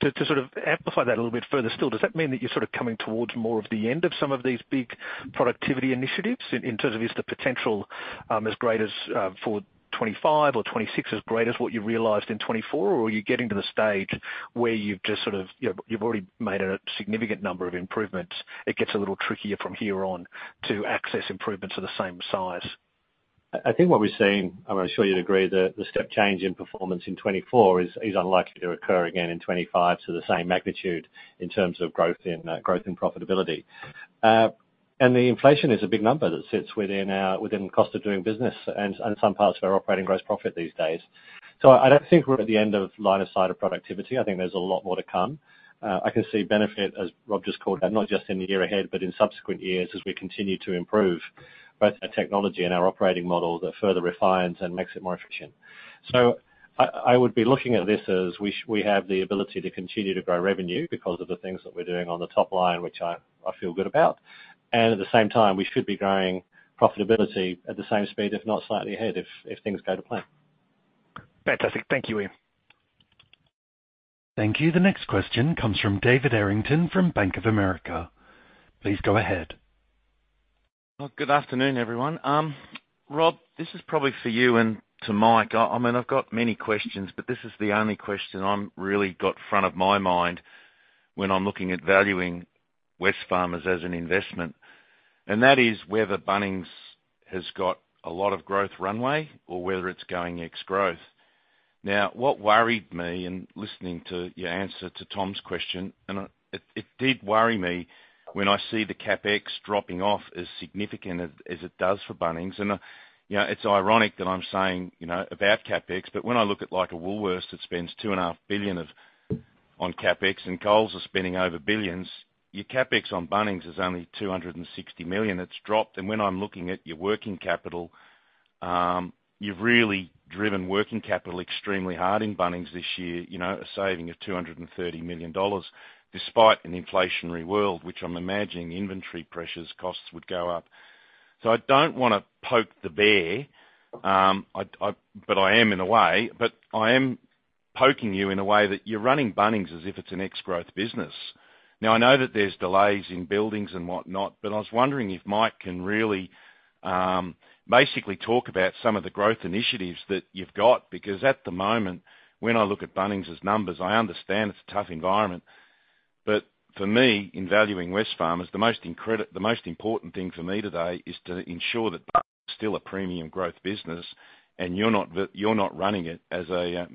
To sort of amplify that a little bit further still, does that mean that you're sort of coming towards more of the end of some of these big productivity initiatives? In terms of, is the potential as great as for 2025 or 2026, as great as what you realized in 2024, or are you getting to the stage where you've just sort of, you know, you've already made a significant number of improvements, it gets a little trickier from here on to access improvements of the same size? I think what we're seeing, and I'm sure you'd agree, the step change in performance in 2024 is unlikely to occur again in 2025 to the same magnitude in terms of growth and profitability. And the inflation is a big number that sits within our cost of doing business and some parts of our operating gross profit these days. So I don't think we're at the end in sight of productivity. I think there's a lot more to come. I can see benefit, as Rob just called out, not just in the year ahead, but in subsequent years as we continue to improve both our technology and our operating model that further refines and makes it more efficient. I would be looking at this as we have the ability to continue to grow revenue because of the things that we're doing on the top line, which I feel good about, and at the same time, we should be growing profitability at the same speed, if not slightly ahead, if things go to plan. Fantastic. Thank you, Ian. Thank you. The next question comes from David Errington from Bank of America. Please go ahead. Good afternoon, everyone. Rob, this is probably for you and to Mike. I mean, I've got many questions, but this is the only question I'm really got front of my mind when I'm looking at valuing Wesfarmers as an investment, and that is whether Bunnings has got a lot of growth runway or whether it's going ex-growth. Now, what worried me in listening to your answer to Tom's question, and it did worry me when I see the CapEx dropping off as significant as it does for Bunnings, and you know, it's ironic that I'm saying you know about CapEx, but when I look at, like, a Woolworths that spends 2.5 billion of on CapEx and Coles are spending over billions, your CapEx on Bunnings is only 260 million. It's dropped, and when I'm looking at your working capital, you've really driven working capital extremely hard in Bunnings this year, you know, a saving of 230 million dollars, despite an inflationary world, which I'm imagining inventory pressures costs would go up. So I don't wanna poke the bear, but I am in a way, but I am poking you in a way that you're running Bunnings as if it's an ex-growth business. Now, I know that there's delays in buildings and whatnot, but I was wondering if Mike can really basically talk about some of the growth initiatives that you've got, because at the moment, when I look at Bunnings' numbers, I understand it's a tough environment. But for me, in valuing Wesfarmers, the most important thing for me today is to ensure that Bunnings is still a premium growth business, and you're not the, you're not running it as a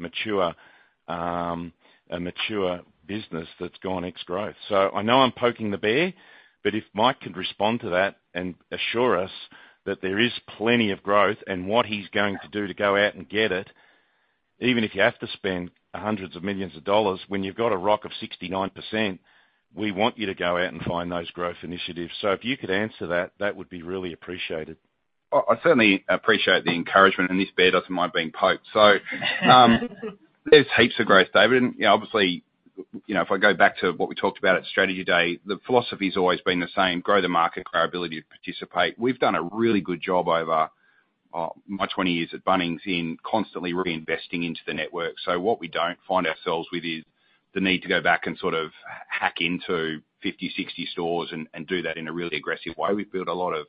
mature business that's gone ex-growth. So I know I'm poking the bear, but if Mike could respond to that and assure us that there is plenty of growth and what he's going to do to go out and get it? Even if you have to spend hundreds of millions of dollars, when you've got a ROIC of 69%, we want you to go out and find those growth initiatives. So if you could answer that, that would be really appreciated. Well, I certainly appreciate the encouragement, and this bear doesn't mind being poked. So, there's heaps of growth, David, and, you know, obviously, you know, if I go back to what we talked about at Strategy Day, the philosophy's always been the same: grow the market, grow our ability to participate. We've done a really good job over my 20 years at Bunnings in constantly reinvesting into the network. So what we don't find ourselves with is the need to go back and sort of hack into 50, 60 stores and do that in a really aggressive way. We've built a lot of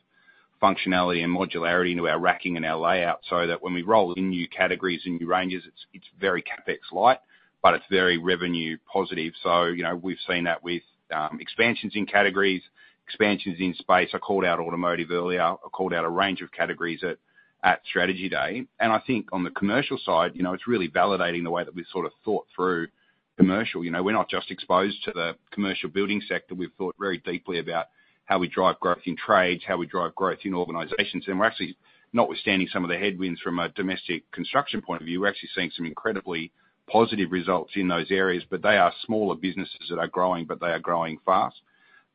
functionality and modularity into our racking and our layout, so that when we roll in new categories and new ranges, it's very CapEx light, but it's very revenue positive. So, you know, we've seen that with expansions in categories, expansions in space. I called out automotive earlier. I called out a range of categories at Strategy Day, and I think on the commercial side, you know, it's really validating the way that we've sort of thought through commercial. You know, we're not just exposed to the commercial building sector. We've thought very deeply about how we drive growth in trades, how we drive growth in organizations, and we're actually, notwithstanding some of the headwinds from a domestic construction point of view, we're actually seeing some incredibly positive results in those areas. But they are smaller businesses that are growing, but they are growing fast.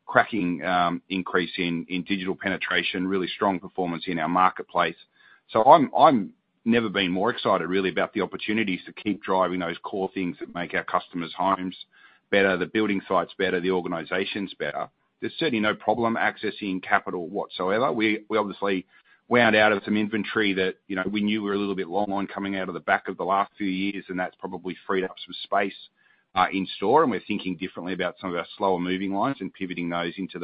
Cracking increase in digital penetration, really strong performance in our marketplace. So I'm never been more excited really, about the opportunities to keep driving those core things that make our customers' homes better, the building sites better, the organizations better. There's certainly no problem accessing capital whatsoever. We obviously wound out of some inventory that, you know, we knew we were a little bit long on coming out of the back of the last few years, and that's probably freed up some space in store, and we're thinking differently about some of our slower moving lines and pivoting those into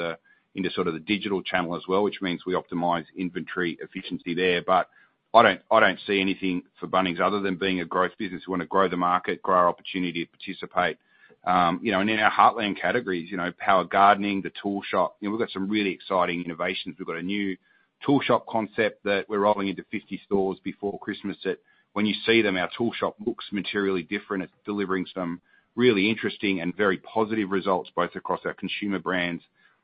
sort of the digital channel as well, which means we optimize inventory efficiency there. But I don't see anything for Bunnings other than being a growth business. We wanna grow the market, grow our opportunity to participate. You know, and in our heartland categories, you know, power gardening, the tool shop, you know, we've got some really exciting innovations. We've got a new tool shop concept that we're rolling into 50 stores before Christmas, that when you see them, our tool shop looks materially different. It's delivering some really interesting and very positive results, both across our consumer brands,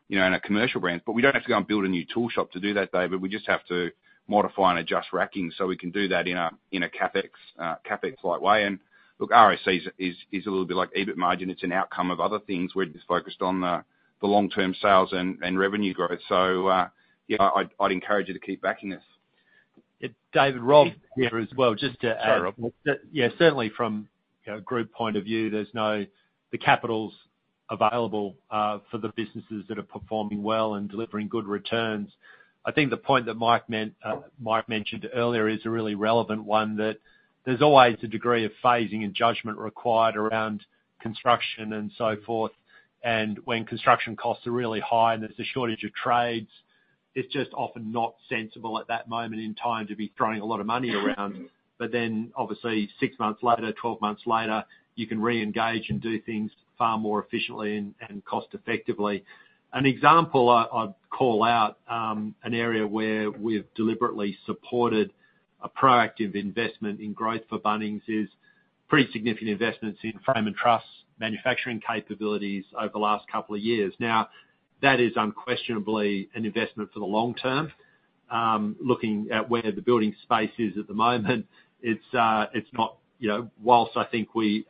you know, and our commercial brands. But we don't have to go and build a new tool shop to do that, David, we just have to modify and adjust racking so we can do that in a CapEx-light way. And look, ROC is a little bit like EBIT margin. It's an outcome of other things. We're just focused on the long-term sales and revenue growth. So, yeah, I'd encourage you to keep backing us. Yeah. David, Rob here as well, just to add- Sorry, Rob. Yeah, certainly from, you know, group point of view, there's the capital's available for the businesses that are performing well and delivering good returns. I think the point that Mike meant, Mike mentioned earlier is a really relevant one, that there's always a degree of phasing and judgment required around construction and so forth, and when construction costs are really high, and there's a shortage of trades, it's just often not sensible at that moment in time to be throwing a lot of money around. But then, obviously, six months later, twelve months later, you can re-engage and do things far more efficiently and cost effectively. An example I'd call out, an area where we've deliberately supported a proactive investment in growth for Bunnings is pretty significant investments in frame and truss manufacturing capabilities over the last couple of years. Now, that is unquestionably an investment for the long term. Looking at where the building space is at the moment, it's not, you know, whilst I think we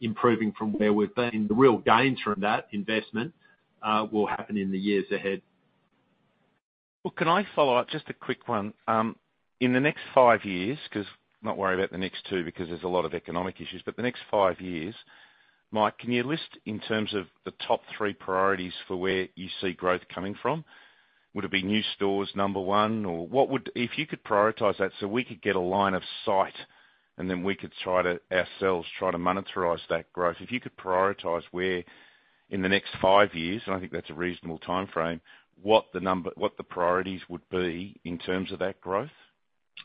are improving from where we've been, the real gains from that investment will happen in the years ahead. Can I follow up? Just a quick one. In the next five years, 'cause not worried about the next two, because there's a lot of economic issues, but the next five years, Mike, can you list in terms of the top three priorities for where you see growth coming from? Would it be new stores, number one, or what would...? If you could prioritize that so we could get a line of sight, and then we could try to, ourselves, try to monetize that growth. If you could prioritize where, in the next five years, and I think that's a reasonable timeframe, what the priorities would be in terms of that growth?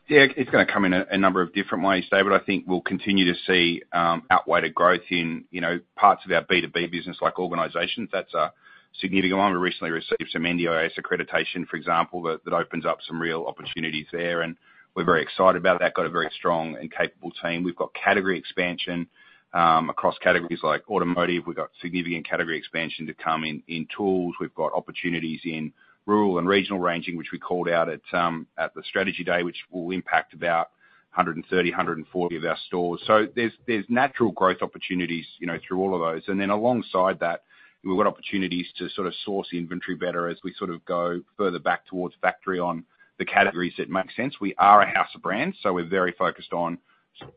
Yeah, it's gonna come in a number of different ways, David. I think we'll continue to see outwardly growth in, you know, parts of our B2B business, like organizations. That's a significant one. We recently received some NDIS accreditation, for example, that opens up some real opportunities there, and we're very excited about that. Got a very strong and capable team. We've got category expansion across categories like automotive. We've got significant category expansion to come in tools. We've got opportunities in rural and regional ranging, which we called out at the Strategy Day, which will impact about 130-140 of our stores. So there's natural growth opportunities, you know, through all of those. And then alongside that, we've got opportunities to sort of source the inventory better as we sort of go further back towards factory on the categories that make sense. We are a house of brands, so we're very focused on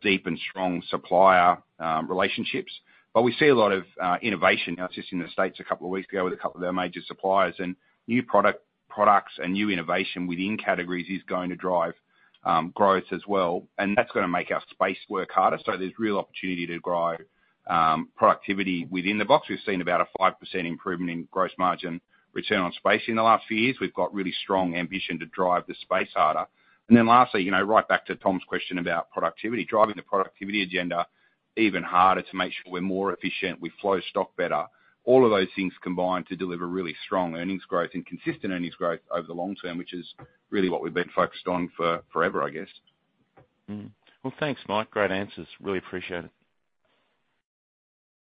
deep and strong supplier relationships, but we see a lot of innovation. I was just in the States a couple of weeks ago with a couple of our major suppliers, and new products and new innovation within categories is going to drive growth as well, and that's gonna make our space work harder. So there's real opportunity to grow productivity within the box. We've seen about a 5% improvement in gross margin return on space in the last few years. We've got really strong ambition to drive the space harder. And then lastly, you know, right back to Tom's question about productivity, driving the productivity agenda even harder to make sure we're more efficient, we flow stock better. All of those things combine to deliver really strong earnings growth and consistent earnings growth over the long term, which is really what we've been focused on for forever, I guess. Mm-hmm. Well, thanks, Mike. Great answers. Really appreciate it.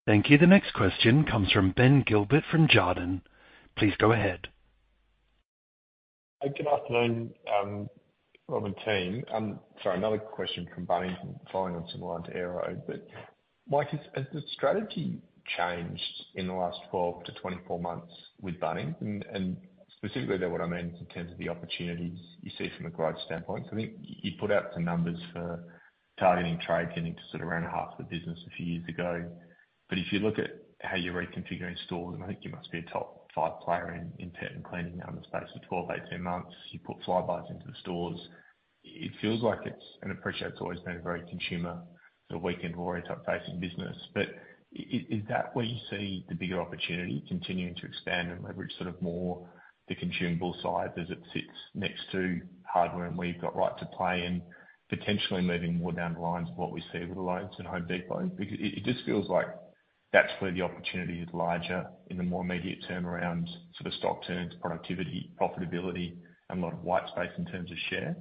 Thank you. The next question comes from Ben Gilbert from Jarden. Please go ahead. Good afternoon, Rob and team. Sorry, another question from Bunnings, and following on some line to Aero. But Mike, has the strategy changed in the last 12-24 months with Bunnings? And specifically there, what I mean is in terms of the opportunities you see from a growth standpoint, 'cause I think you put out some numbers for targeting trade, getting to sort of around half the business a few years ago. But if you look at how you're reconfiguring stores, and I think you must be a top five player in pet and cleaning now in the space of 12, 8, 10 months, you put Flybuys into the stores. It feels like it's, and I appreciate it's always been a very consumer, sort of weekend warrior-type facing business. But is that where you see the bigger opportunity continuing to expand and leverage sort of more the consumable side, as it sits next to hardware, and where you've got right to play, and potentially moving more down the lines of what we see with the Lowe's and Home Depot? But it, it just feels like that's where the opportunity is larger in the more immediate term around sort of stock turns, productivity, profitability, and a lot of white space in terms of share.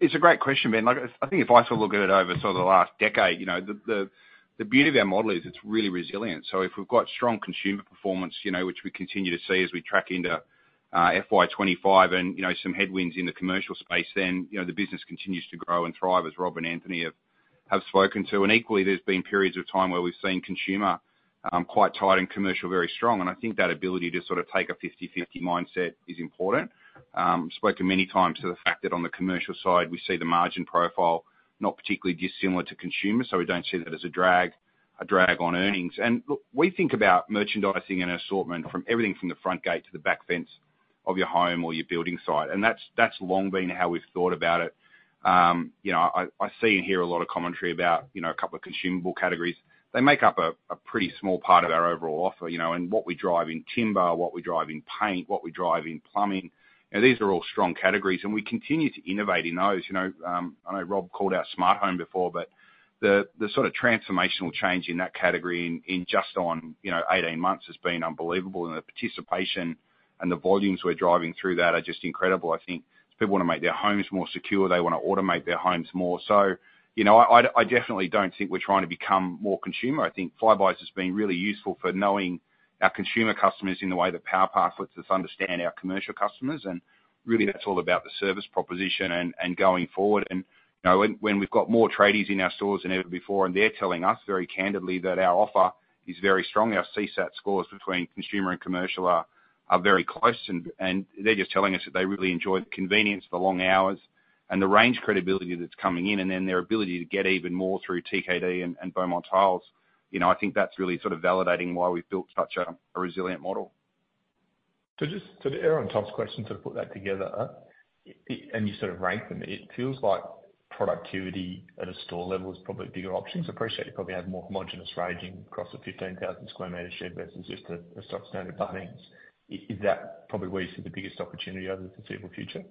It's a great question, Ben. Like, I think if I sort of look at it over sort of the last decade, you know, the beauty of our model is it's really resilient. So if we've got strong consumer performance, you know, which we continue to see as we track into FY 2025, and you know, some headwinds in the commercial space, then you know, the business continues to grow and thrive, as Rob and Anthony have spoken to. Equally, there's been periods of time where we've seen consumer quite tight and commercial very strong. And I think that ability to sort of take a 50/50 mindset is important. Spoken many times to the fact that on the commercial side, we see the margin profile not particularly dissimilar to consumer, so we don't see that as a drag on earnings. And look, we think about merchandising an assortment from everything from the front gate to the back fence of your home or your building site, and that's long been how we've thought about it. You know, I see and hear a lot of commentary about, you know, a couple of consumable categories. They make up a pretty small part of our overall offer, you know, and what we drive in timber, what we drive in paint, what we drive in plumbing, you know, these are all strong categories, and we continue to innovate in those. You know, I know Rob called out Smart Home before, but the sort of transformational change in that category in just on, you know, eighteen months has been unbelievable, and the participation and the volumes we're driving through that are just incredible. I think people wanna make their homes more secure, they wanna automate their homes more. So, you know, I definitely don't think we're trying to become more consumer. I think Flybuys has been really useful for knowing our consumer customers in the way that PowerPass lets us understand our commercial customers, and really that's all about the service proposition and going forward. You know, when we've got more tradies in our stores than ever before, and they're telling us very candidly that our offer is very strong, our CSAT scores between consumer and commercial are very close, and they're just telling us that they really enjoy the convenience, the long hours, and the range credibility that's coming in. And then their ability to get even more through TKD and Beaumont Tiles, you know, I think that's really sort of validating why we've built such a resilient model. So, just to add on top of the question, to put that together, and you sort of rank them, it feels like productivity at a store level is probably bigger options. I appreciate you probably have more homogeneous ranging across the 15,000-square-meter shed versus just a stock standard Bunnings. Is that probably where you see the biggest opportunity over the foreseeable future?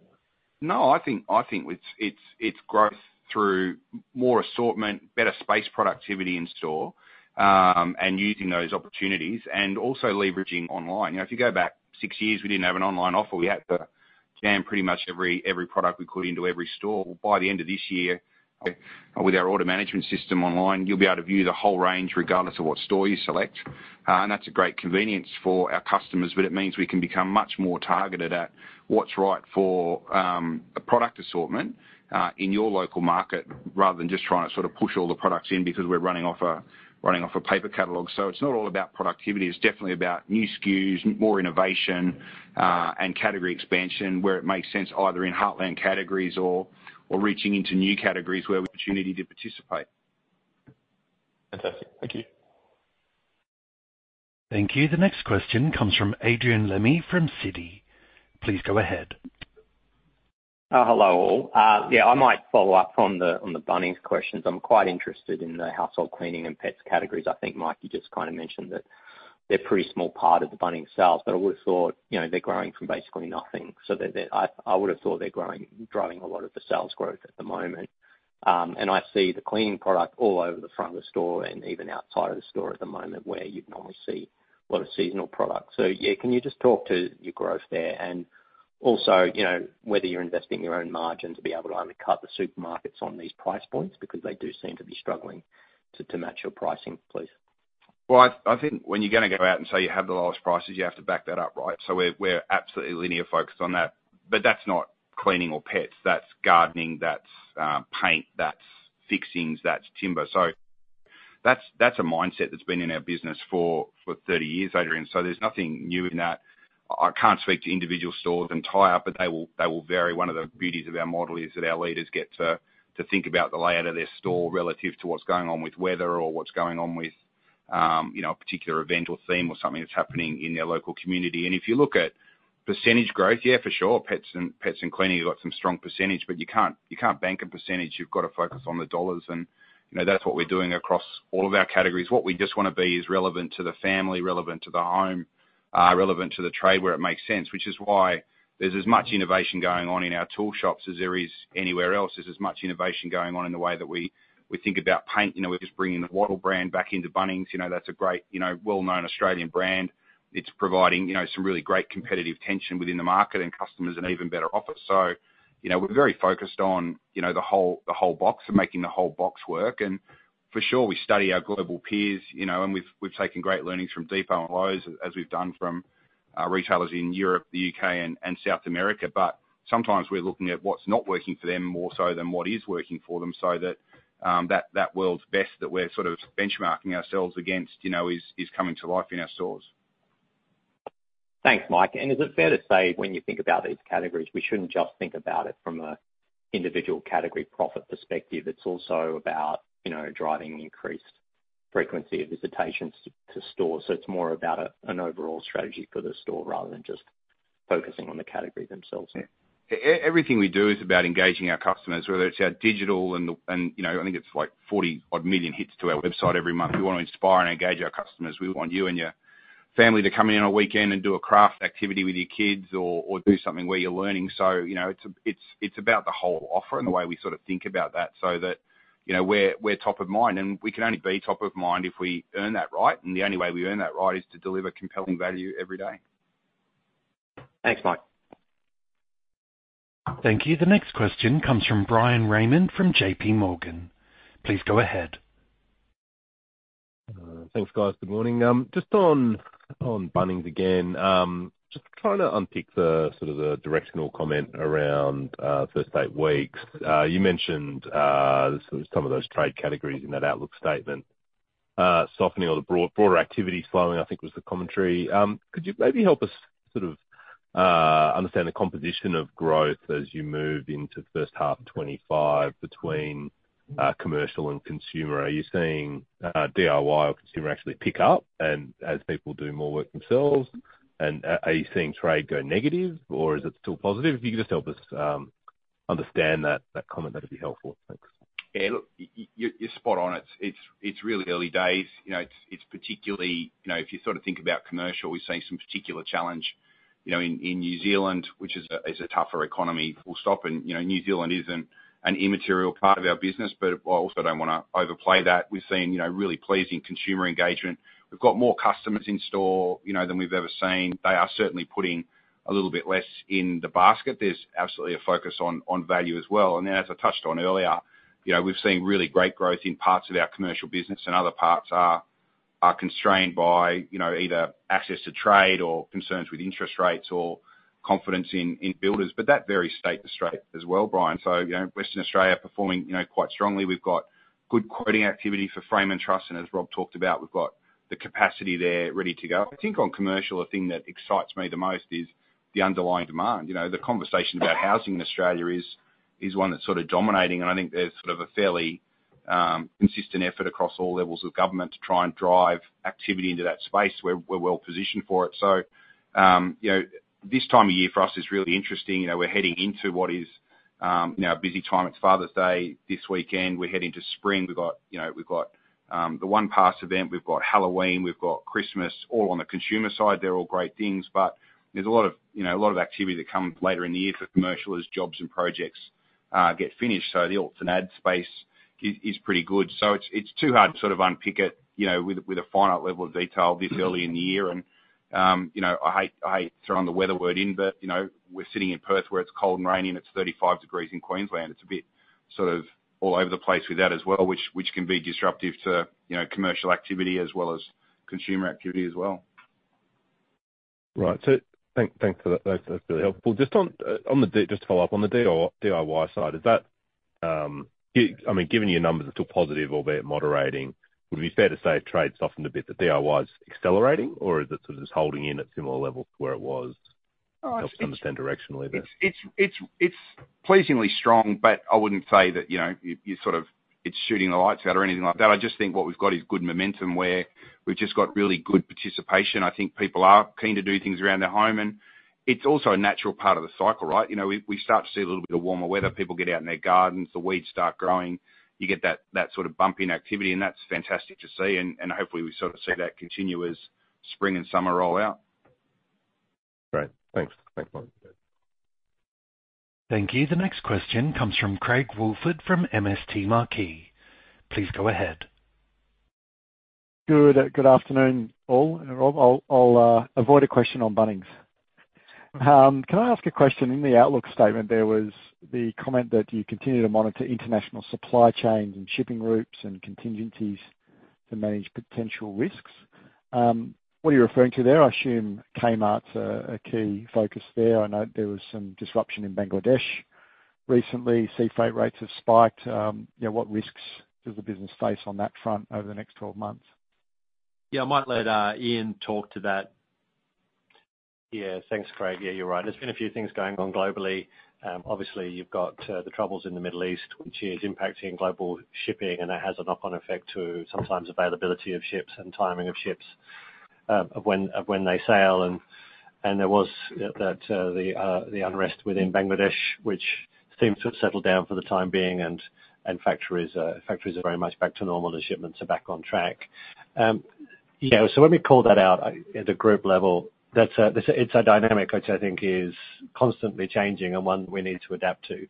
No, I think it's growth through more assortment, better space productivity in store, and using those opportunities, and also leveraging online. You know, if you go back six years, we didn't have an online offer. We had to jam pretty much every product we could into every store. By the end of this year, with our order management system online, you'll be able to view the whole range regardless of what store you select, and that's a great convenience for our customers, but it means we can become much more targeted at what's right for a product assortment in your local market, rather than just trying to sort of push all the products in because we're running off a paper catalog. It's not all about productivity. It's definitely about new SKUs, more innovation, and category expansion, where it makes sense, either in Heartland categories or reaching into new categories where opportunity to participate. Fantastic. Thank you. Thank you. The next question comes from Adrian Lemme from Citi. Please go ahead. Hello all. Yeah, I might follow up on the Bunnings questions. I'm quite interested in the household cleaning and pets categories. I think, Mike, you just kinda mentioned that they're pretty small part of the Bunnings sales, but I would've thought, you know, they're growing from basically nothing, driving a lot of the sales growth at the moment. And I see the cleaning product all over the front of the store and even outside of the store at the moment, where you'd normally see a lot of seasonal products. So yeah, can you just talk to your growth there? And also, you know, whether you're investing your own margin to be able to undercut the supermarkets on these price points, because they do seem to be struggling to match your pricing, please. Well, I think when you're gonna go out and say you have the lowest prices, you have to back that up, right? So we're absolutely laser focused on that. But that's not cleaning or pets, that's gardening, that's paint, that's fixings, that's timber. So that's a mindset that's been in our business for 30 years, Adrian, so there's nothing new in that. I can't speak to individual stores and tie-up, but they will vary. One of the beauties of our model is that our leaders get to think about the layout of their store relative to what's going on with weather or what's going on with, you know, a particular event or theme or something that's happening in their local community. And if you look at percentage growth, yeah, for sure, pets and cleaning have got some strong percentage, but you can't bank a percentage. You've got to focus on the dollars. And, you know, that's what we're doing across all of our categories. What we just wanna be is relevant to the family, relevant to the home, relevant to the trade, where it makes sense. Which is why there's as much innovation going on in our tool shops as there is anywhere else. There's as much innovation going on in the way that we think about paint. You know, we're just bringing the Wattyl brand back into Bunnings. You know, that's a great, you know, well-known Australian brand. It's providing, you know, some really great competitive tension within the market and customers an even better offer. So, you know, we're very focused on, you know, the whole, the whole box and making the whole box work. And for sure, we study our global peers, you know, and we've taken great learnings from Home Depot and Lowe's, as we've done from retailers in Europe, the U.K., and South America. But sometimes we're looking at what's not working for them, more so than what is working for them, so that that world's best, that we're sort of benchmarking ourselves against, you know, is coming to life in our stores.... Thanks, Mike. And is it fair to say, when you think about these categories, we shouldn't just think about it from an individual category profit perspective, it's also about, you know, driving increased frequency of visitations to the store. So it's more about an overall strategy for the store, rather than just focusing on the category themselves? Everything we do is about engaging our customers, whether it's our digital and, you know, I think it's like 40-odd million hits to our website every month. We wanna inspire and engage our customers. We want you and your family to come in on a weekend and do a craft activity with your kids or do something where you're learning. So, you know, it's about the whole offer and the way we sort of think about that, so that, you know, we're top of mind, and we can only be top of mind if we earn that right, and the only way we earn that right is to deliver compelling value every day. Thanks, Mike. Thank you. The next question comes from Bryan Raymond, from JP Morgan. Please go ahead. Thanks, guys. Good morning. Just on Bunnings again, just trying to unpick the sort of the directional comment around first eight weeks. You mentioned sort of some of those trade categories in that outlook statement, softening or the broader activity slowing, I think was the commentary. Could you maybe help us sort of understand the composition of growth as you move into the first half 2025 between commercial and consumer? Are you seeing DIY or consumer actually pick up and as people do more work themselves, and are you seeing trade go negative, or is it still positive? If you could just help us understand that comment, that'd be helpful. Thanks. Yeah, look, you're spot on. It's really early days. You know, it's particularly, you know, if you sort of think about commercial, we're seeing some particular challenge, you know, in New Zealand, which is a tougher economy, full stop. And, you know, New Zealand isn't an immaterial part of our business, but I also don't wanna overplay that. We've seen, you know, really pleasing consumer engagement. We've got more customers in store, you know, than we've ever seen. They are certainly putting a little bit less in the basket. There's absolutely a focus on value as well. And then, as I touched on earlier, you know, we've seen really great growth in parts of our commercial business, and other parts are constrained by, you know, either access to trade or concerns with interest rates or confidence in builders, but that varies state to state as well, Brian. So, you know, Western Australia performing, you know, quite strongly. We've got good quoting activity for Frame and Truss, and as Rob talked about, we've got the capacity there ready to go. I think on commercial, the thing that excites me the most is the underlying demand. You know, the conversation about housing in Australia is one that's sort of dominating, and I think there's sort of a fairly consistent effort across all levels of government to try and drive activity into that space, where we're well positioned for it. So, you know, this time of year for us is really interesting. You know, we're heading into what is, you know, a busy time. It's Father's Day this weekend. We're heading to spring. We've got, you know, the OnePass event, we've got Halloween, we've got Christmas, all on the consumer side. They're all great things, but there's a lot of, you know, a lot of activity that come later in the year for commercial. As jobs and projects get finished, so the all trade and ag space is pretty good. So it's too hard to sort of unpick it, you know, with a finite level of detail this early in the year. You know, I hate throwing the weather word in, but you know, we're sitting in Perth, where it's cold and rainy, and it's 35 degrees Celsius in Queensland. It's a bit sort of all over the place with that as well, which can be disruptive to, you know, commercial activity as well as consumer activity as well. Right. So thanks for that. That's really helpful. Just to follow up on the DIY side, is that, I mean, given your numbers are still positive, albeit moderating, would it be fair to say trade softened a bit, the DIY's accelerating, or is it sort of just holding in at similar levels to where it was? Oh, it's- Help understand directionally there. It's pleasingly strong, but I wouldn't say that, you know, you sort of, it's shooting the lights out or anything like that. I just think what we've got is good momentum, where we've just got really good participation. I think people are keen to do things around their home, and it's also a natural part of the cycle, right? You know, we start to see a little bit of warmer weather. People get out in their gardens, the weeds start growing. You get that sort of bump in activity, and that's fantastic to see, and hopefully we sort of see that continue as spring and summer roll out. Great. Thanks. Thanks, Mike. Thank you. The next question comes from Craig Wolford from MST Marquee. Please go ahead. Good, good afternoon, all. And Rob, I'll avoid a question on Bunnings. Can I ask a question? In the outlook statement, there was the comment that you continue to monitor international supply chains and shipping routes and contingencies to manage potential risks. What are you referring to there? I assume Kmart's a key focus there. I know there was some disruption in Bangladesh recently. Sea freight rates have spiked. You know, what risks does the business face on that front over the next twelve months? Yeah, I might let Ian talk to that. Yeah. Thanks, Craig. Yeah, you're right. There's been a few things going on globally. Obviously, you've got the troubles in the Middle East, which is impacting global shipping, and that has a knock-on effect to sometimes availability of ships and timing of ships, of when they sail. And there was the unrest within Bangladesh, which seems to have settled down for the time being, and factories are very much back to normal, the shipments are back on track. Yeah, so let me call that out at the group level. That's a dynamic which I think is constantly changing and one we need to adapt to.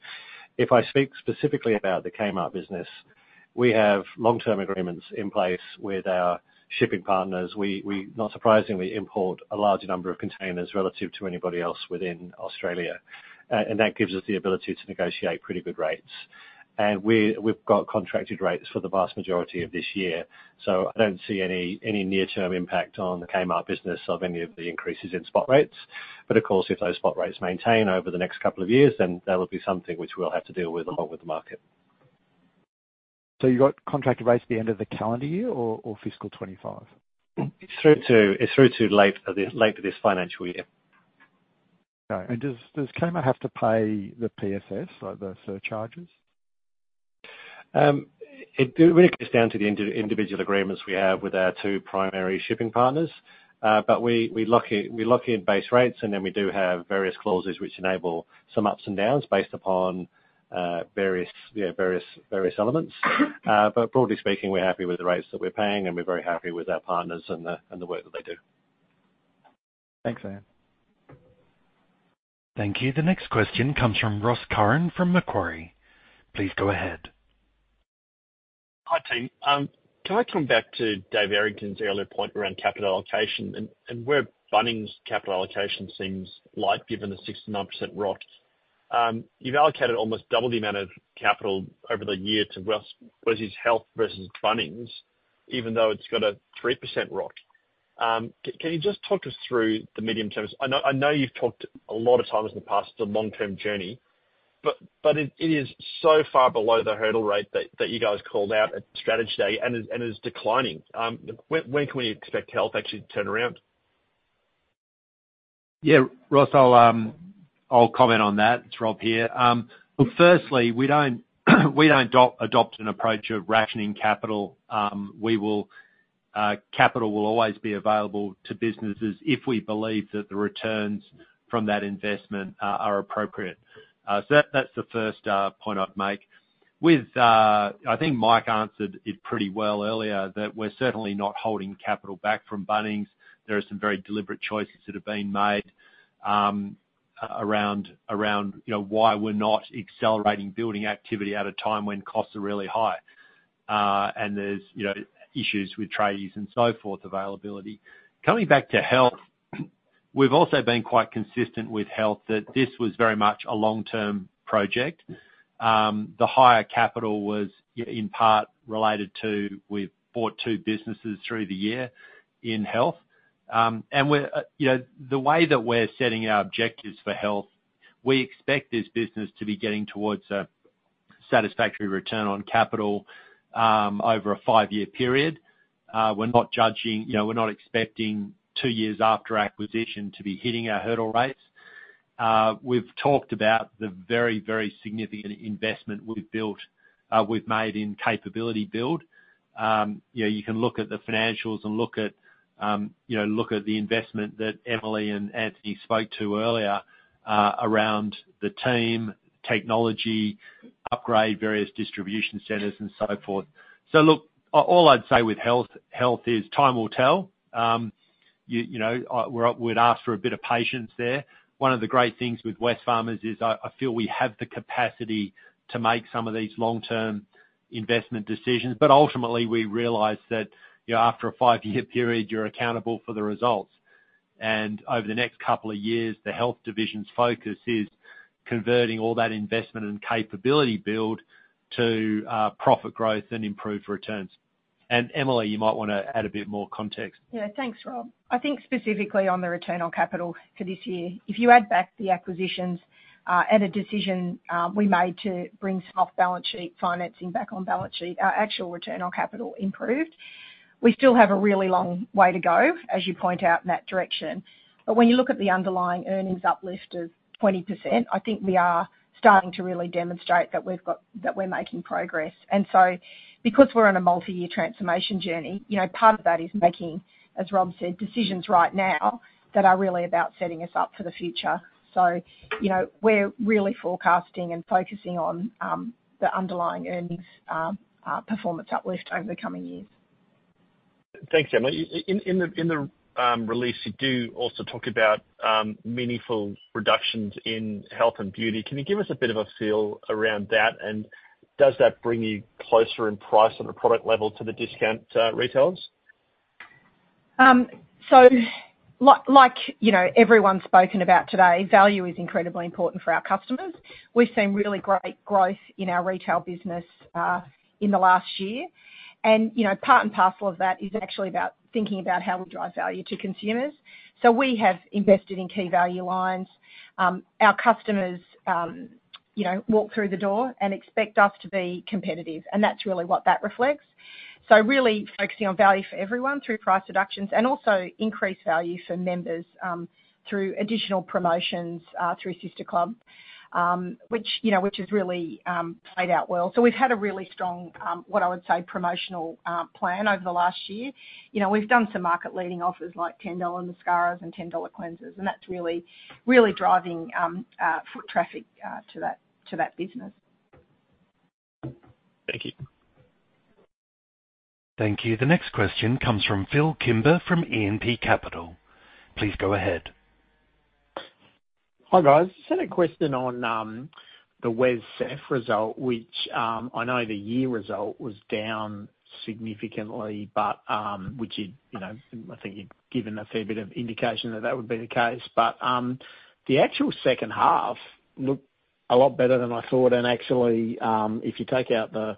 If I speak specifically about the Kmart business, we have long-term agreements in place with our shipping partners. We, not surprisingly, import a large number of containers relative to anybody else within Australia. And that gives us the ability to negotiate pretty good rates. And we've got contracted rates for the vast majority of this year, so I don't see any near-term impact on the Kmart business of any of the increases in spot rates. But of course, if those spot rates maintain over the next couple of years, then that will be something which we'll have to deal with along with the market.... So you've got contracted rates at the end of the calendar year or fiscal twenty-five? It's through to the end of this financial year. Okay. And does Kmart have to pay the PSS or the surcharges? It really comes down to the individual agreements we have with our two primary shipping partners. But we lock in base rates, and then we do have various clauses which enable some ups and downs based upon various, you know, elements. But broadly speaking, we're happy with the rates that we're paying, and we're very happy with our partners and the work that they do. Thanks, Ian. Thank you. The next question comes from Ross Curran from Macquarie. Please go ahead. Hi, team. Can I come back to Dave Errington's earlier point around capital allocation and where Bunnings' capital allocation seems light, given the 69% ROC? You've allocated almost double the amount of capital over the year to Wes' Health versus Bunnings, even though it's got a 3% ROC. Can you just talk us through the medium terms? I know you've talked a lot of times in the past, it's a long-term journey, but it is so far below the hurdle rate that you guys called out at Strategy Day and is declining. When can we expect Health actually to turn around? Yeah, Ross, I'll, I'll comment on that. It's Rob here. Look, firstly, we don't adopt an approach of rationing capital. Capital will always be available to businesses if we believe that the returns from that investment are appropriate. So that, that's the first point I'd make. With, I think Mike answered it pretty well earlier, that we're certainly not holding capital back from Bunnings. There are some very deliberate choices that have been made, around, you know, why we're not accelerating building activity at a time when costs are really high, and there's, you know, issues with trades and so forth, availability. Coming back to Health, we've also been quite consistent with Health, that this was very much a long-term project. The higher capital was, in part related to, we've bought two businesses through the year in Health. And we're, you know, the way that we're setting our objectives for Health, we expect this business to be getting towards a satisfactory return on capital, over a five-year period. We're not judging, you know, we're not expecting two years after acquisition to be hitting our hurdle rates. We've talked about the very, very significant investment we've built, we've made in capability build. You know, you can look at the financials and look at, you know, look at the investment that Emily and Anthony spoke to earlier, around the team, technology, upgrade various distribution centers, and so forth. So look, all I'd say with Health, Health is time will tell. You know, we'd ask for a bit of patience there. One of the great things with Wesfarmers is I feel we have the capacity to make some of these long-term investment decisions, but ultimately we realize that, you know, after a five-year period, you're accountable for the results. Over the next couple of years, the Health Division's focus is converting all that investment and capability build to profit growth and improved returns. Emily, you might wanna add a bit more context. Yeah, thanks, Rob. I think specifically on the return on capital for this year, if you add back the acquisitions, and a decision we made to bring some off-balance sheet financing back on balance sheet, our actual return on capital improved. We still have a really long way to go, as you point out in that direction, but when you look at the underlying earnings uplift of 20%, I think we are starting to really demonstrate that we've got- that we're making progress. And so, because we're on a multi-year transformation journey, you know, part of that is making, as Rob said, decisions right now, that are really about setting us up for the future. So, you know, we're really forecasting and focusing on the underlying earnings performance uplift over the coming years. Thanks, Emily. In the release, you do also talk about meaningful reductions in health and beauty. Can you give us a bit of a feel around that, and does that bring you closer in price on a product level to the discount retailers? So like, you know, everyone's spoken about today, value is incredibly important for our customers. We've seen really great growth in our retail business, in the last year, and, you know, part and parcel of that is actually about thinking about how we drive value to consumers. So we have invested in key value lines. Our customers, you know, walk through the door and expect us to be competitive, and that's really what that reflects. So really focusing on value for everyone through price reductions, and also increased value for members, through additional promotions, through Sister Club, which, you know, which has really, played out well. So we've had a really strong, what I would say, promotional, plan over the last year. You know, we've done some market-leading offers, like AUD 10 mascaras and AUD 10 cleansers, and that's really, really driving foot traffic to that business. Thank you. Thank you. The next question comes from Phil Kimber, from E&P Capital. Please go ahead. Hi, guys. Just had a question on the WesCEF result, which I know the year result was down significantly, but which you know, I think you've given a fair bit of indication that that would be the case. But the actual second half looked a lot better than I thought, and actually if you take out the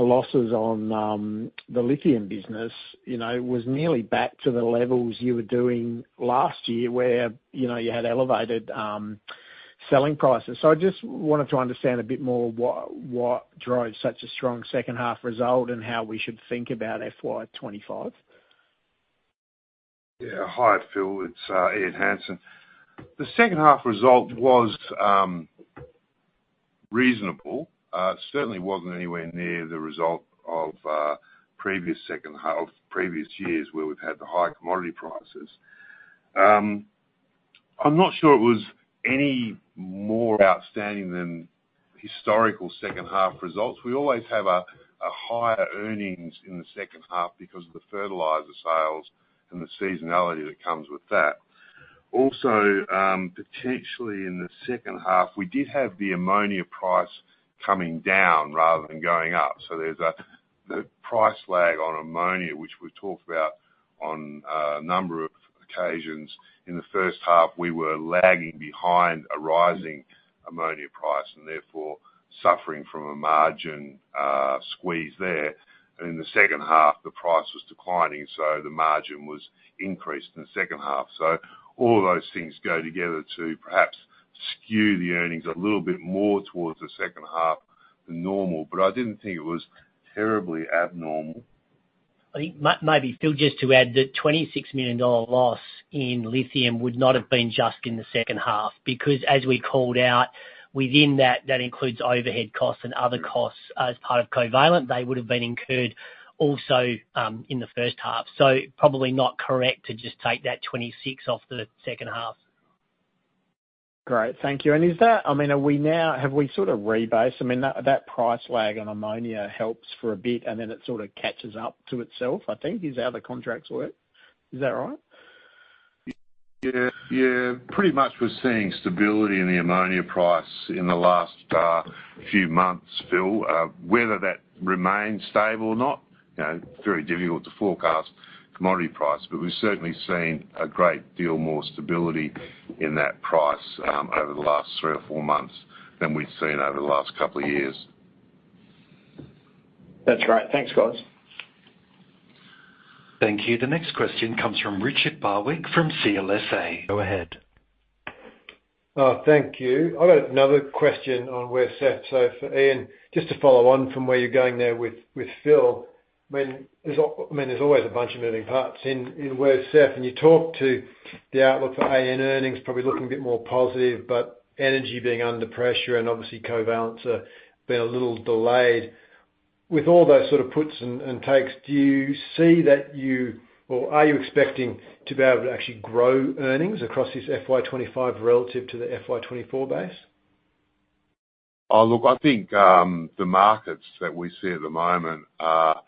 losses on the lithium business, you know, it was nearly back to the levels you were doing last year, where you know you had elevated.... selling prices. So I just wanted to understand a bit more what drove such a strong second half result and how we should think about FY twenty-five? Yeah. Hi, Phil. It's Ian Hansen. The second half result was reasonable. It certainly wasn't anywhere near the result of previous years, where we've had the high commodity prices. I'm not sure it was any more outstanding than historical second half results. We always have a higher earnings in the second half because of the fertilizer sales and the seasonality that comes with that. Also, potentially in the second half, we did have the ammonia price coming down rather than going up, so there's the price lag on ammonia, which we've talked about on a number of occasions. In the first half, we were lagging behind a rising ammonia price, and therefore, suffering from a margin squeeze there, and in the second half, the price was declining, so the margin was increased in the second half. So all those things go together to perhaps skew the earnings a little bit more towards the second half than normal, but I didn't think it was terribly abnormal. I think maybe, Phil, just to add, the 26 million dollar loss in lithium would not have been just in the second half, because as we called out, within that, that includes overhead costs and other costs as part of Covalent. They would've been incurred also in the first half, so probably not correct to just take that 26 million off the second half. Great. Thank you. And is that, I mean, are we now, have we sort of rebased? I mean, that price lag on ammonia helps for a bit, and then it sort of catches up to itself, I think, is how the contracts work. Is that right? Yeah. Yeah. Pretty much we're seeing stability in the ammonia price in the last few months, Phil. Whether that remains stable or not, you know, very difficult to forecast commodity price, but we've certainly seen a great deal more stability in that price over the last three or four months than we've seen over the last couple of years. That's right. Thanks, guys. Thank you. The next question comes from Richard Barwick from CLSA. Go ahead. Thank you. I've got another question on Wesfarmers. So for Ian, just to follow on from where you're going there with Phil, I mean, there's always a bunch of moving parts in Wesfarmers, and you talk to the outlook for AN earnings, probably looking a bit more positive, but energy being under pressure and obviously Covalent has been a little delayed. With all those sort of puts and takes, do you see that you or are you expecting to be able to actually grow earnings across this FY 2025 relative to the FY 2024 base? Oh, look, I think, the markets that we see at the moment are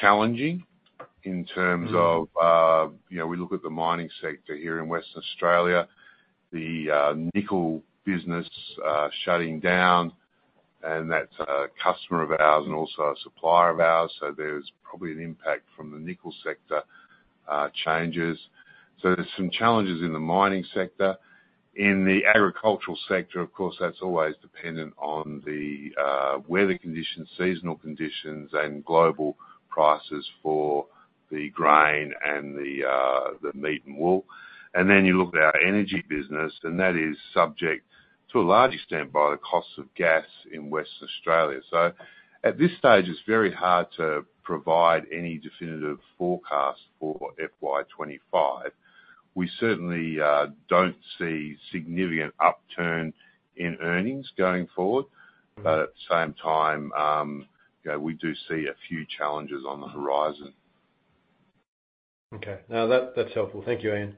challenging in terms of- Mm-hmm. You know, we look at the mining sector here in Western Australia, the nickel business shutting down, and that's a customer of ours and also a supplier of ours, so there's probably an impact from the nickel sector changes. So there's some challenges in the mining sector. In the agricultural sector, of course, that's always dependent on the weather conditions, seasonal conditions, and global prices for the grain and the meat and wool. And then you look at our energy business, and that is subject to a large extent by the cost of gas in Western Australia. So at this stage, it's very hard to provide any definitive forecast for FY twenty-five. We certainly don't see significant upturn in earnings going forward- Mm-hmm. but at the same time, you know, we do see a few challenges on the horizon. Okay. No, that, that's helpful. Thank you, Ian.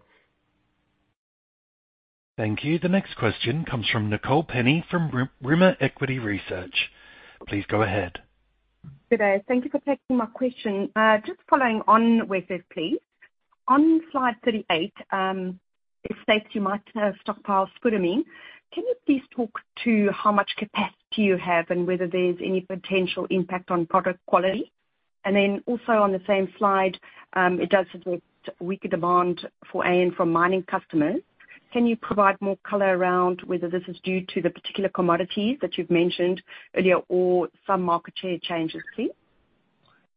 Thank you. The next question comes from Nicole Penny, from Rimor Equity Research. Please go ahead. Good day. Thank you for taking my question. Just following on with this, please. On slide thirty-eight, it states you might stockpile spodumene. Can you please talk to how much capacity you have, and whether there's any potential impact on product quality? And then also on the same slide, it does reflect weaker demand for AN from mining customers. Can you provide more color around whether this is due to the particular commodities that you've mentioned earlier or some market share changes seen?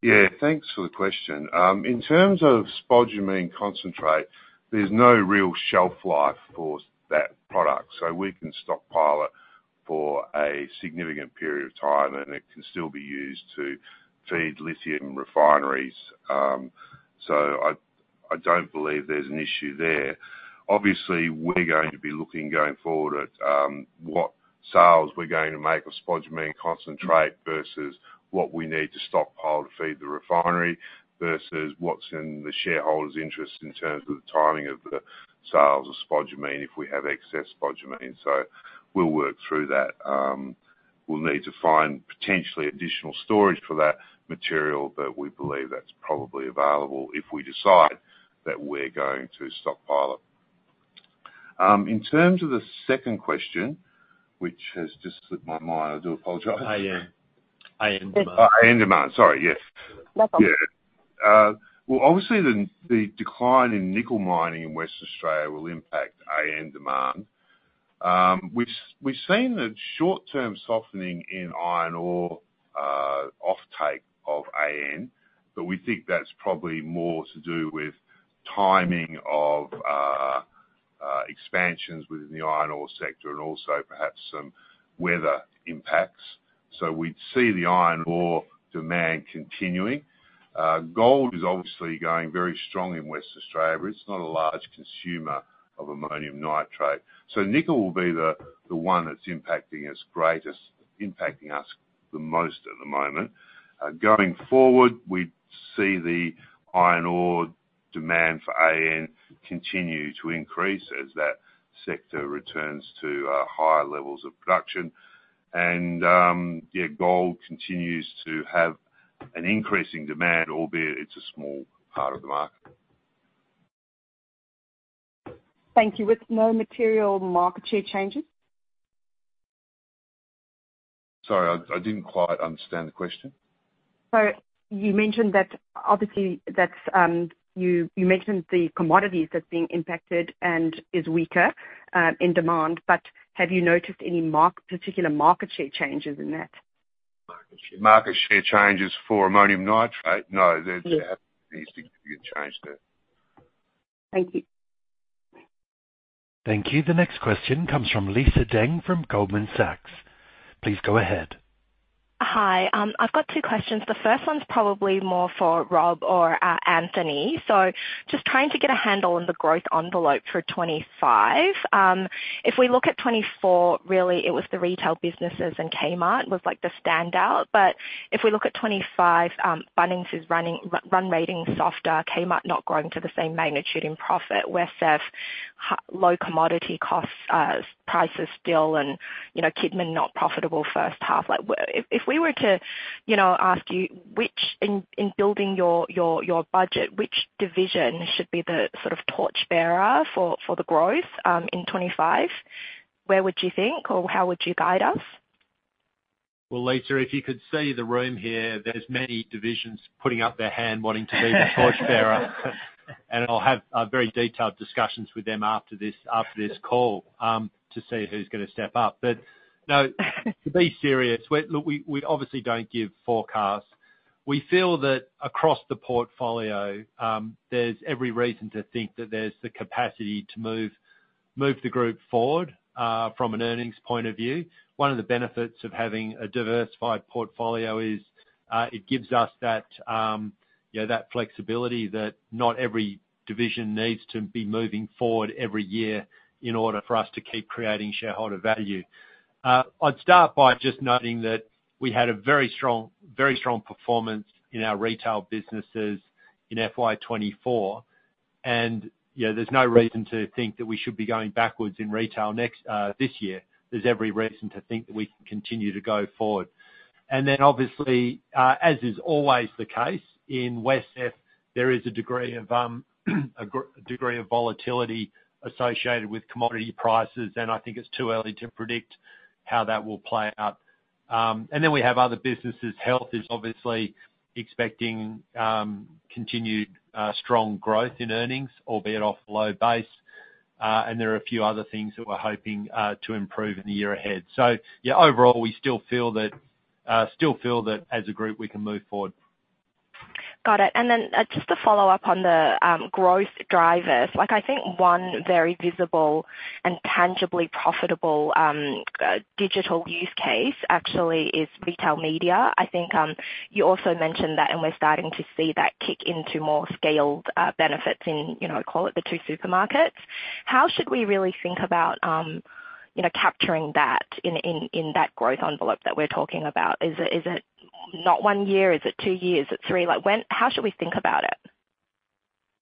Yeah, thanks for the question. In terms of spodumene concentrate, there's no real shelf life for that product, so we can stockpile it for a significant period of time, and it can still be used to feed lithium refineries. So I don't believe there's an issue there. Obviously, we're going to be looking going forward at what sales we're going to make of spodumene concentrate versus what we need to stockpile to feed the refinery, versus what's in the shareholders' interest in terms of the timing of the sales of spodumene, if we have excess spodumene, so we'll work through that. We'll need to find potentially additional storage for that material, but we believe that's probably available if we decide that we're going to stockpile it. In terms of the second question, which has just slipped my mind, I do apologize. AN demand. AN demand. Sorry, yes. No problem. Yeah. Well, obviously, the decline in nickel mining in Western Australia will impact AN demand. We've seen a short-term softening in iron ore offtake of AN, but we think that's probably more to do with timing of.... expansions within the iron ore sector and also perhaps some weather impacts. So we'd see the iron ore demand continuing. Gold is obviously going very strong in Western Australia, but it's not a large consumer of ammonium nitrate. So nickel will be the one that's impacting us greatest, impacting us the most at the moment. Going forward, we see the iron ore demand for AN continue to increase as that sector returns to higher levels of production. Yeah, gold continues to have an increasing demand, albeit it's a small part of the market. Thank you. With no material market share changes? Sorry, I didn't quite understand the question. You mentioned that obviously that's the commodities that's being impacted and is weaker in demand, but have you noticed any particular market share changes in that? Market share. Market share changes for ammonium nitrate? No, there's- Yes. Any significant change there. Thank you. Thank you. The next question comes from Lisa Deng from Goldman Sachs. Please go ahead. Hi. I've got two questions. The first one's probably more for Rob or Anthony. So just trying to get a handle on the growth envelope for twenty-five. If we look at twenty-four, really it was the retail businesses, and Kmart was, like, the standout. But if we look at twenty-five, Bunnings is running run rating softer, Kmart not growing to the same magnitude in profit, Wescef low commodity costs, prices still, and, you know, Kidman not profitable first half. Like, if we were to, you know, ask you, which in building your budget, which division should be the sort of torchbearer for the growth in twenty-five? Where would you think, or how would you guide us? Lisa, if you could see the room here, there's many divisions putting up their hand wanting to be the torchbearer. I'll have very detailed discussions with them after this call to see who's gonna step up. To be serious, we obviously don't give forecasts. We feel that across the portfolio, there's every reason to think that there's the capacity to move the group forward from an earnings point of view. One of the benefits of having a diversified portfolio is it gives us that you know that flexibility that not every division needs to be moving forward every year in order for us to keep creating shareholder value. I'd start by just noting that we had a very strong performance in our retail businesses in FY 2024, and, you know, there's no reason to think that we should be going backwards in retail next this year. There's every reason to think that we can continue to go forward. And then obviously, as is always the case in WesCEF, there is a degree of volatility associated with commodity prices, and I think it's too early to predict how that will play out. And then we have other businesses. Health is obviously expecting continued strong growth in earnings, albeit off a low base. And there are a few other things that we're hoping to improve in the year ahead. So yeah, overall, we still feel that as a group, we can move forward. Got it. And then, just to follow up on the growth drivers, like, I think one very visible and tangibly profitable digital use case actually is retail media. I think, you also mentioned that, and we're starting to see that kick into more scaled benefits in, you know, call it the two supermarkets. How should we really think about, you know, capturing that in that growth envelope that we're talking about? Is it not one year? Is it two years? Is it three? Like, how should we think about it?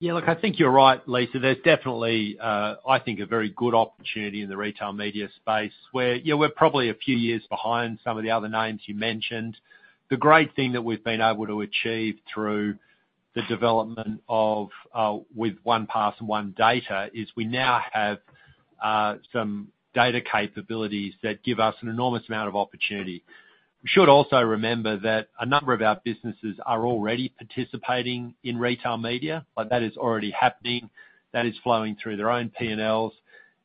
Yeah, look, I think you're right, Lisa. There's definitely, I think, a very good opportunity in the retail media space, where, you know, we're probably a few years behind some of the other names you mentioned. The great thing that we've been able to achieve through the development of, with OnePass and OneData, is we now have, some data capabilities that give us an enormous amount of opportunity. We should also remember that a number of our businesses are already participating in retail media, like that is already happening. That is flowing through their own P&Ls,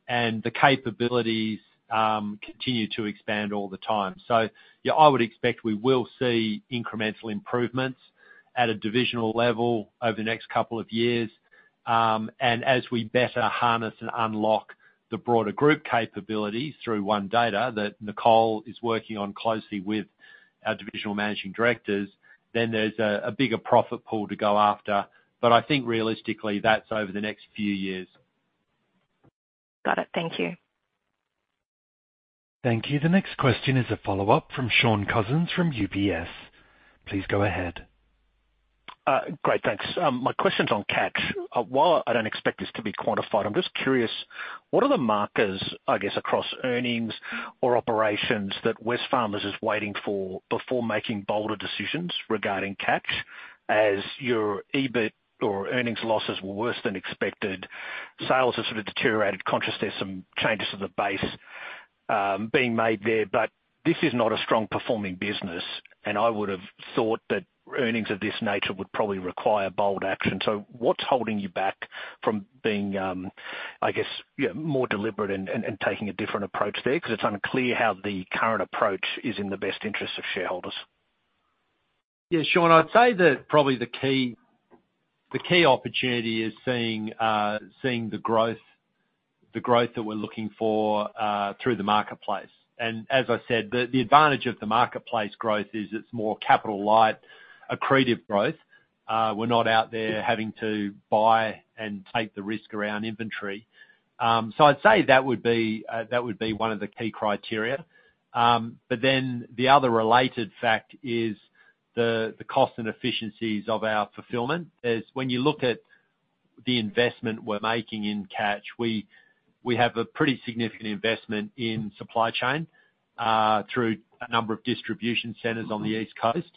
and the capabilities, continue to expand all the time. So yeah, I would expect we will see incremental improvements at a divisional level over the next couple of years. And as we better harness and unlock the broader group capabilities through One Digital, that Nicole is working on closely with our divisional managing directors, then there's a bigger profit pool to go after. But I think realistically, that's over the next few years. Got it. Thank you. Thank you. The next question is a follow-up from Sean Cousins from UBS. Please go ahead. Great, thanks. My question's on Catch. While I don't expect this to be quantified, I'm just curious, what are the markers, I guess, across earnings or operations that Wesfarmers is waiting for before making bolder decisions regarding Catch, as your EBIT or earnings losses were worse than expected? Sales have sort of deteriorated given there's some changes to the base being made there, but this is not a strong performing business, and I would've thought that earnings of this nature would probably require bold action. So what's holding you back from being, I guess, you know, more deliberate and taking a different approach there? Because it's unclear how the current approach is in the best interest of shareholders.... Yeah, Sean, I'd say that probably the key opportunity is seeing the growth that we're looking for through the marketplace. And as I said, the advantage of the marketplace growth is it's more capital light, accretive growth. We're not out there having to buy and take the risk around inventory. So I'd say that would be one of the key criteria. But then the other related fact is the cost and efficiencies of our fulfillment. Is when you look at the investment we're making in Catch, we have a pretty significant investment in supply chain through a number of distribution centers on the East Coast.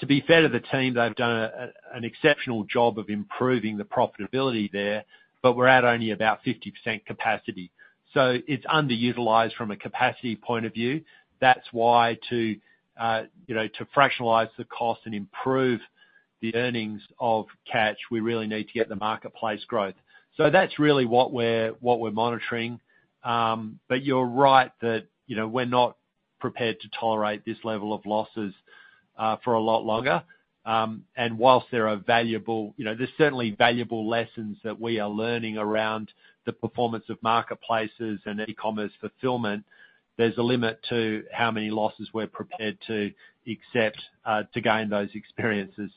To be fair to the team, they've done an exceptional job of improving the profitability there, but we're at only about 50% capacity. So it's underutilized from a capacity point of view. That's why, you know, to fractionalize the cost and improve the earnings of Catch, we really need to get the marketplace growth. So that's really what we're monitoring. But you're right that, you know, we're not prepared to tolerate this level of losses for a lot longer. And while there are valuable, you know, there's certainly valuable lessons that we are learning around the performance of marketplaces and e-commerce fulfillment, there's a limit to how many losses we're prepared to accept to gain those experiences.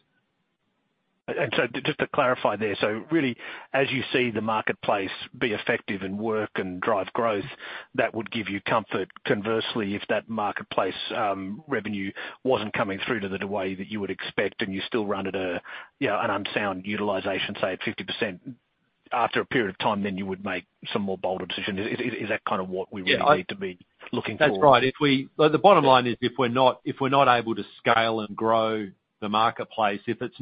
And so just to clarify there, so really, as you see the marketplace be effective and work and drive growth, that would give you comfort. Conversely, if that marketplace, revenue wasn't coming through to the way that you would expect, and you still run at a, you know, an unsound utilization, say, at 50%, after a period of time, then you would make some more bolder decision. Is that kind of what we really need to be looking for? That's right. But the bottom line is, if we're not able to scale and grow the marketplace, if it's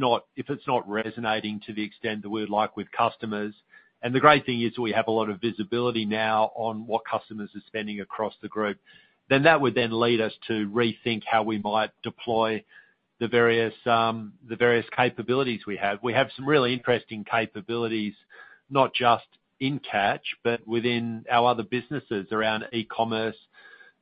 not resonating to the extent that we'd like with customers, and the great thing is we have a lot of visibility now on what customers are spending across the group, then that would lead us to rethink how we might deploy the various capabilities we have. We have some really interesting capabilities, not just in Catch, but within our other businesses around e-commerce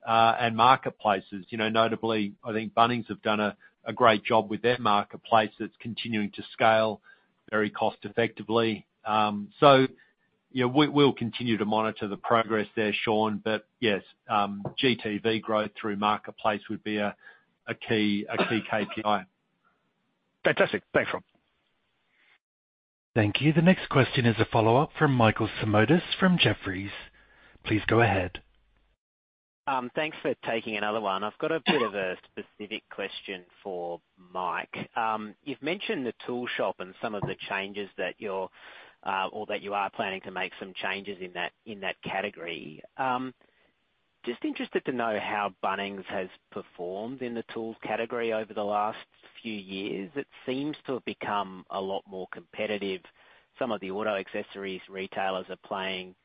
and marketplaces. You know, notably, I think Bunnings have done a great job with their marketplace that's continuing to scale very cost-effectively. So, you know, we'll continue to monitor the progress there, Sean, but yes, GTV growth through marketplace would be a key KPI. Fantastic. Thanks, Rob. Thank you. The next question is a follow-up from Michael Simotas from Jefferies. Please go ahead. Thanks for taking another one. I've got a bit of a specific question for Mike. You've mentioned the tool shop and some of the changes that you're, or that you are planning to make some changes in that category. Just interested to know how Bunnings has performed in the tools category over the last few years. It seems to have become a lot more competitive. Some of the auto accessories retailers are playing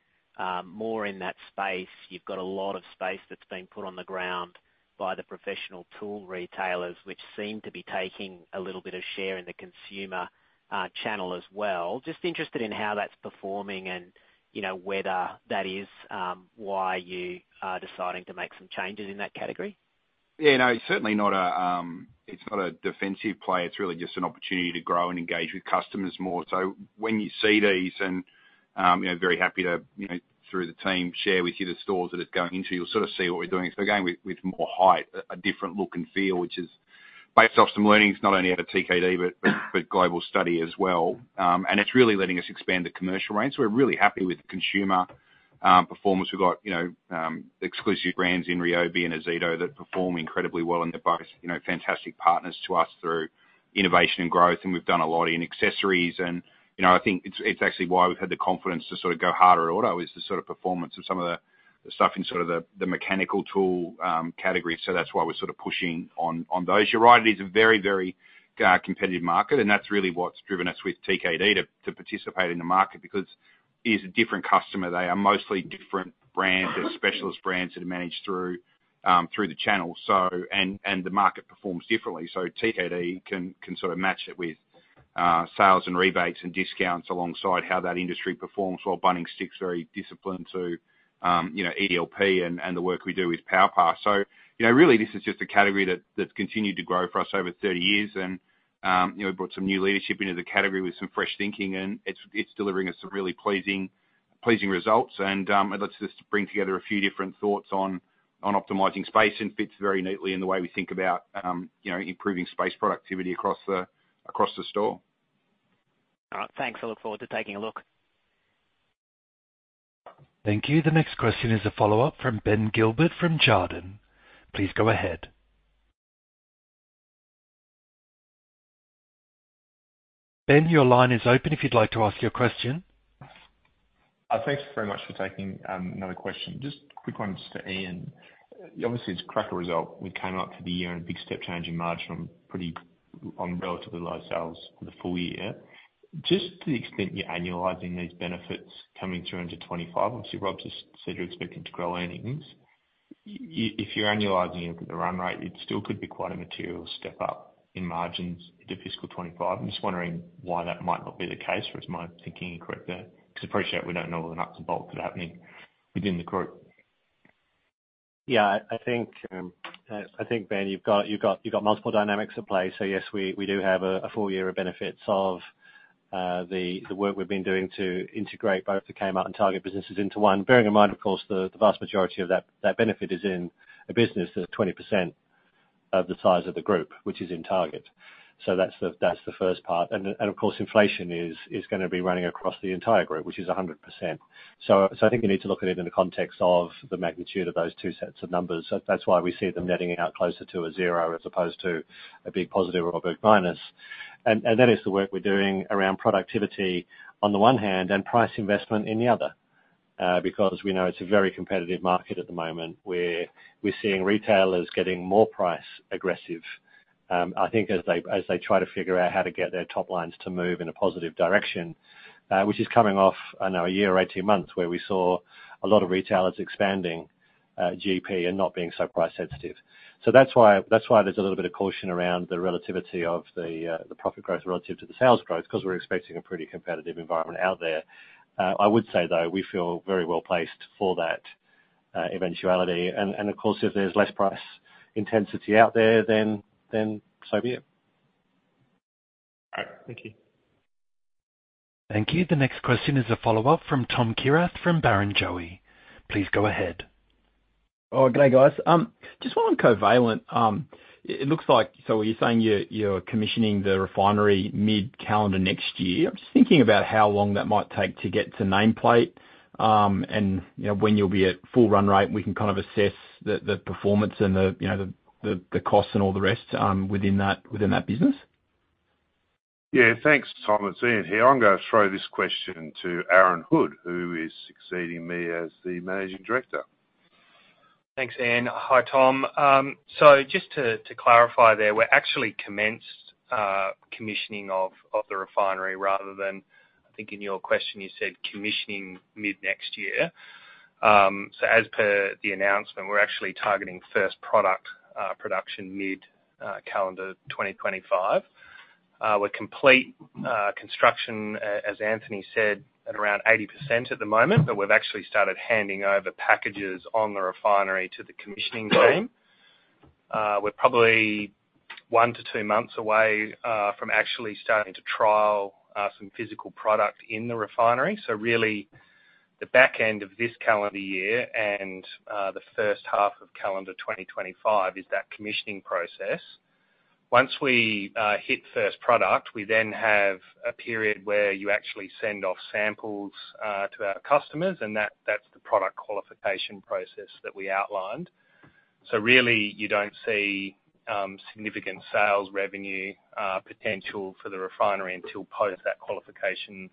more in that space. You've got a lot of space that's been put on the ground by the professional tool retailers, which seem to be taking a little bit of share in the consumer channel as well. Just interested in how that's performing and, you know, whether that is why you are deciding to make some changes in that category. Yeah, no, it's certainly not a, it's not a defensive play. It's really just an opportunity to grow and engage with customers more. So when you see these, and, you know, very happy to, you know, through the team, share with you the stores that it's going into, you'll sort of see what we're doing. So we're going with more height, a different look and feel, which is based off some learnings, not only out of TKD, but global study as well. And it's really letting us expand the commercial range. We're really happy with the consumer, performance. We've got, you know, exclusive brands in Ryobi and Ozito that perform incredibly well, and they're both, you know, fantastic partners to us through innovation and growth, and we've done a lot in accessories. You know, I think it's actually why we've had the confidence to sort of go harder at auto, is the sort of performance of some of the stuff in sort of the mechanical tool category. So that's why we're sort of pushing on those. You're right, it is a very, very competitive market, and that's really what's driven us with TKD to participate in the market, because it is a different customer. They are mostly different brands and specialist brands that are managed through the channel. So the market performs differently, so TKD can sort of match it with sales and rebates and discounts alongside how that industry performs, while Bunnings sticks very disciplined to, you know, EDLP and the work we do with PowerPass. So, you know, really, this is just a category that, that's continued to grow for us over 30 years and, you know, brought some new leadership into the category with some fresh thinking, and it's delivering us some really pleasing results. And, it lets us to bring together a few different thoughts on optimizing space and fits very neatly in the way we think about, you know, improving space productivity across the store. All right, thanks. I look forward to taking a look. Thank you. The next question is a follow-up from Ben Gilbert from Jarden. Please go ahead. Ben, your line is open if you'd like to ask your question. Thanks very much for taking another question. Just a quick one just to Ian. Obviously, it's a cracker result. We came up for the year, and a big step change in margin on relatively low sales for the full year. Just to the extent you're annualizing these benefits coming through into 2025, obviously, Rob just said you're expecting to grow earnings. If you're annualizing it at the run rate, it still could be quite a material step up in margins into fiscal 2025. I'm just wondering why that might not be the case, or is my thinking incorrect there? Because I appreciate we don't know all the nuts and bolts of that happening within the group. ... Yeah, I think, Ben, you've got multiple dynamics at play, so yes, we do have a full year of benefits of the work we've been doing to integrate both the Kmart and Target businesses into one. Bearing in mind, of course, the vast majority of that benefit is in a business that is 20% of the size of the group, which is in Target. So that's the first part, and of course, inflation is gonna be running across the entire group, which is 100%, so I think you need to look at it in the context of the magnitude of those two sets of numbers. So that's why we see them netting out closer to a zero as opposed to a big positive or a big minus. And that is the work we're doing around productivity on the one hand and price investment in the other. Because we know it's a very competitive market at the moment, where we're seeing retailers getting more price aggressive. I think as they try to figure out how to get their top lines to move in a positive direction, which is coming off, I know, a year or eighteen months, where we saw a lot of retailers expanding GP and not being so price sensitive. So that's why there's a little bit of caution around the relativity of the profit growth relative to the sales growth, because we're expecting a pretty competitive environment out there. I would say, though, we feel very well placed for that eventuality. And of course, if there's less price intensity out there, then so be it. All right, thank you. Thank you. The next question is a follow-up from Tom Kierath from Barrenjoey. Please go ahead. Oh, good day, guys. Just one on Covalent. It looks like... So are you saying you're commissioning the refinery mid-calendar next year? I'm just thinking about how long that might take to get to nameplate, and, you know, when you'll be at full run rate, and we can kind of assess the costs and all the rest, within that business. Yeah. Thanks, Tom. It's Ian here. I'm gonna throw this question to Aaron Hood, who is succeeding me as the Managing Director. Thanks, Ian. Hi, Tom. So just to clarify there, we're actually commenced commissioning of the refinery rather than, I think in your question, you said commissioning mid-next year. So as per the announcement, we're actually targeting first product production mid calendar twenty twenty-five. We're complete construction, as Anthony said, at around 80% at the moment, but we've actually started handing over packages on the refinery to the commissioning team. We're probably one to two months away from actually starting to trial some physical product in the refinery. So really, the back end of this calendar year and the first half of calendar twenty twenty-five is that commissioning process. Once we hit first product, we then have a period where you actually send off samples to our customers, and that's the product qualification process that we outlined. So really, you don't see significant sales revenue potential for the refinery until post that qualification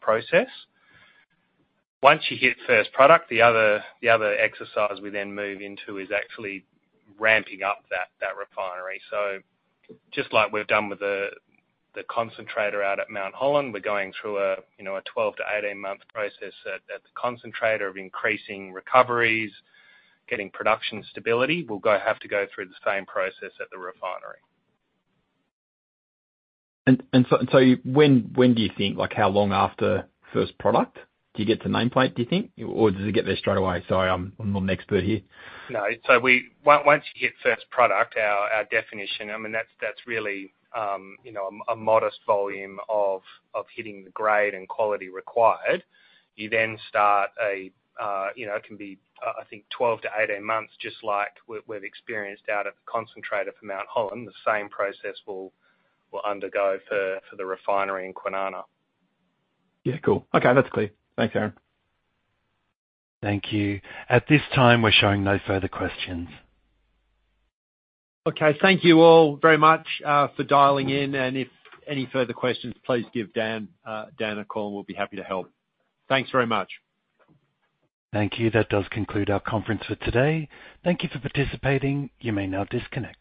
process. Once you hit first product, the other exercise we then move into is actually ramping up that refinery. So just like we've done with the concentrator out at Mount Holland, we're going through a you know a 12- to 18-month process at the concentrator of increasing recoveries, getting production stability. We'll have to go through the same process at the refinery. So when do you think, like, how long after first product do you get to nameplate, do you think? Or does it get there straight away? Sorry, I'm not an expert here. No. So once you hit first product, our definition, I mean, that's really, you know, a modest volume of hitting the grade and quality required. You then start, you know, it can be, I think twelve to eighteen months, just like we've experienced out at the concentrator for Mount Holland. The same process will undergo for the refinery in Kwinana. Yeah, cool. Okay, that's clear. Thanks, Aaron. Thank you. At this time, we're showing no further questions. Okay. Thank you all very much for dialing in, and if any further questions, please give Dan a call, and we'll be happy to help. Thanks very much. Thank you. That does conclude our conference for today. Thank you for participating. You may now disconnect.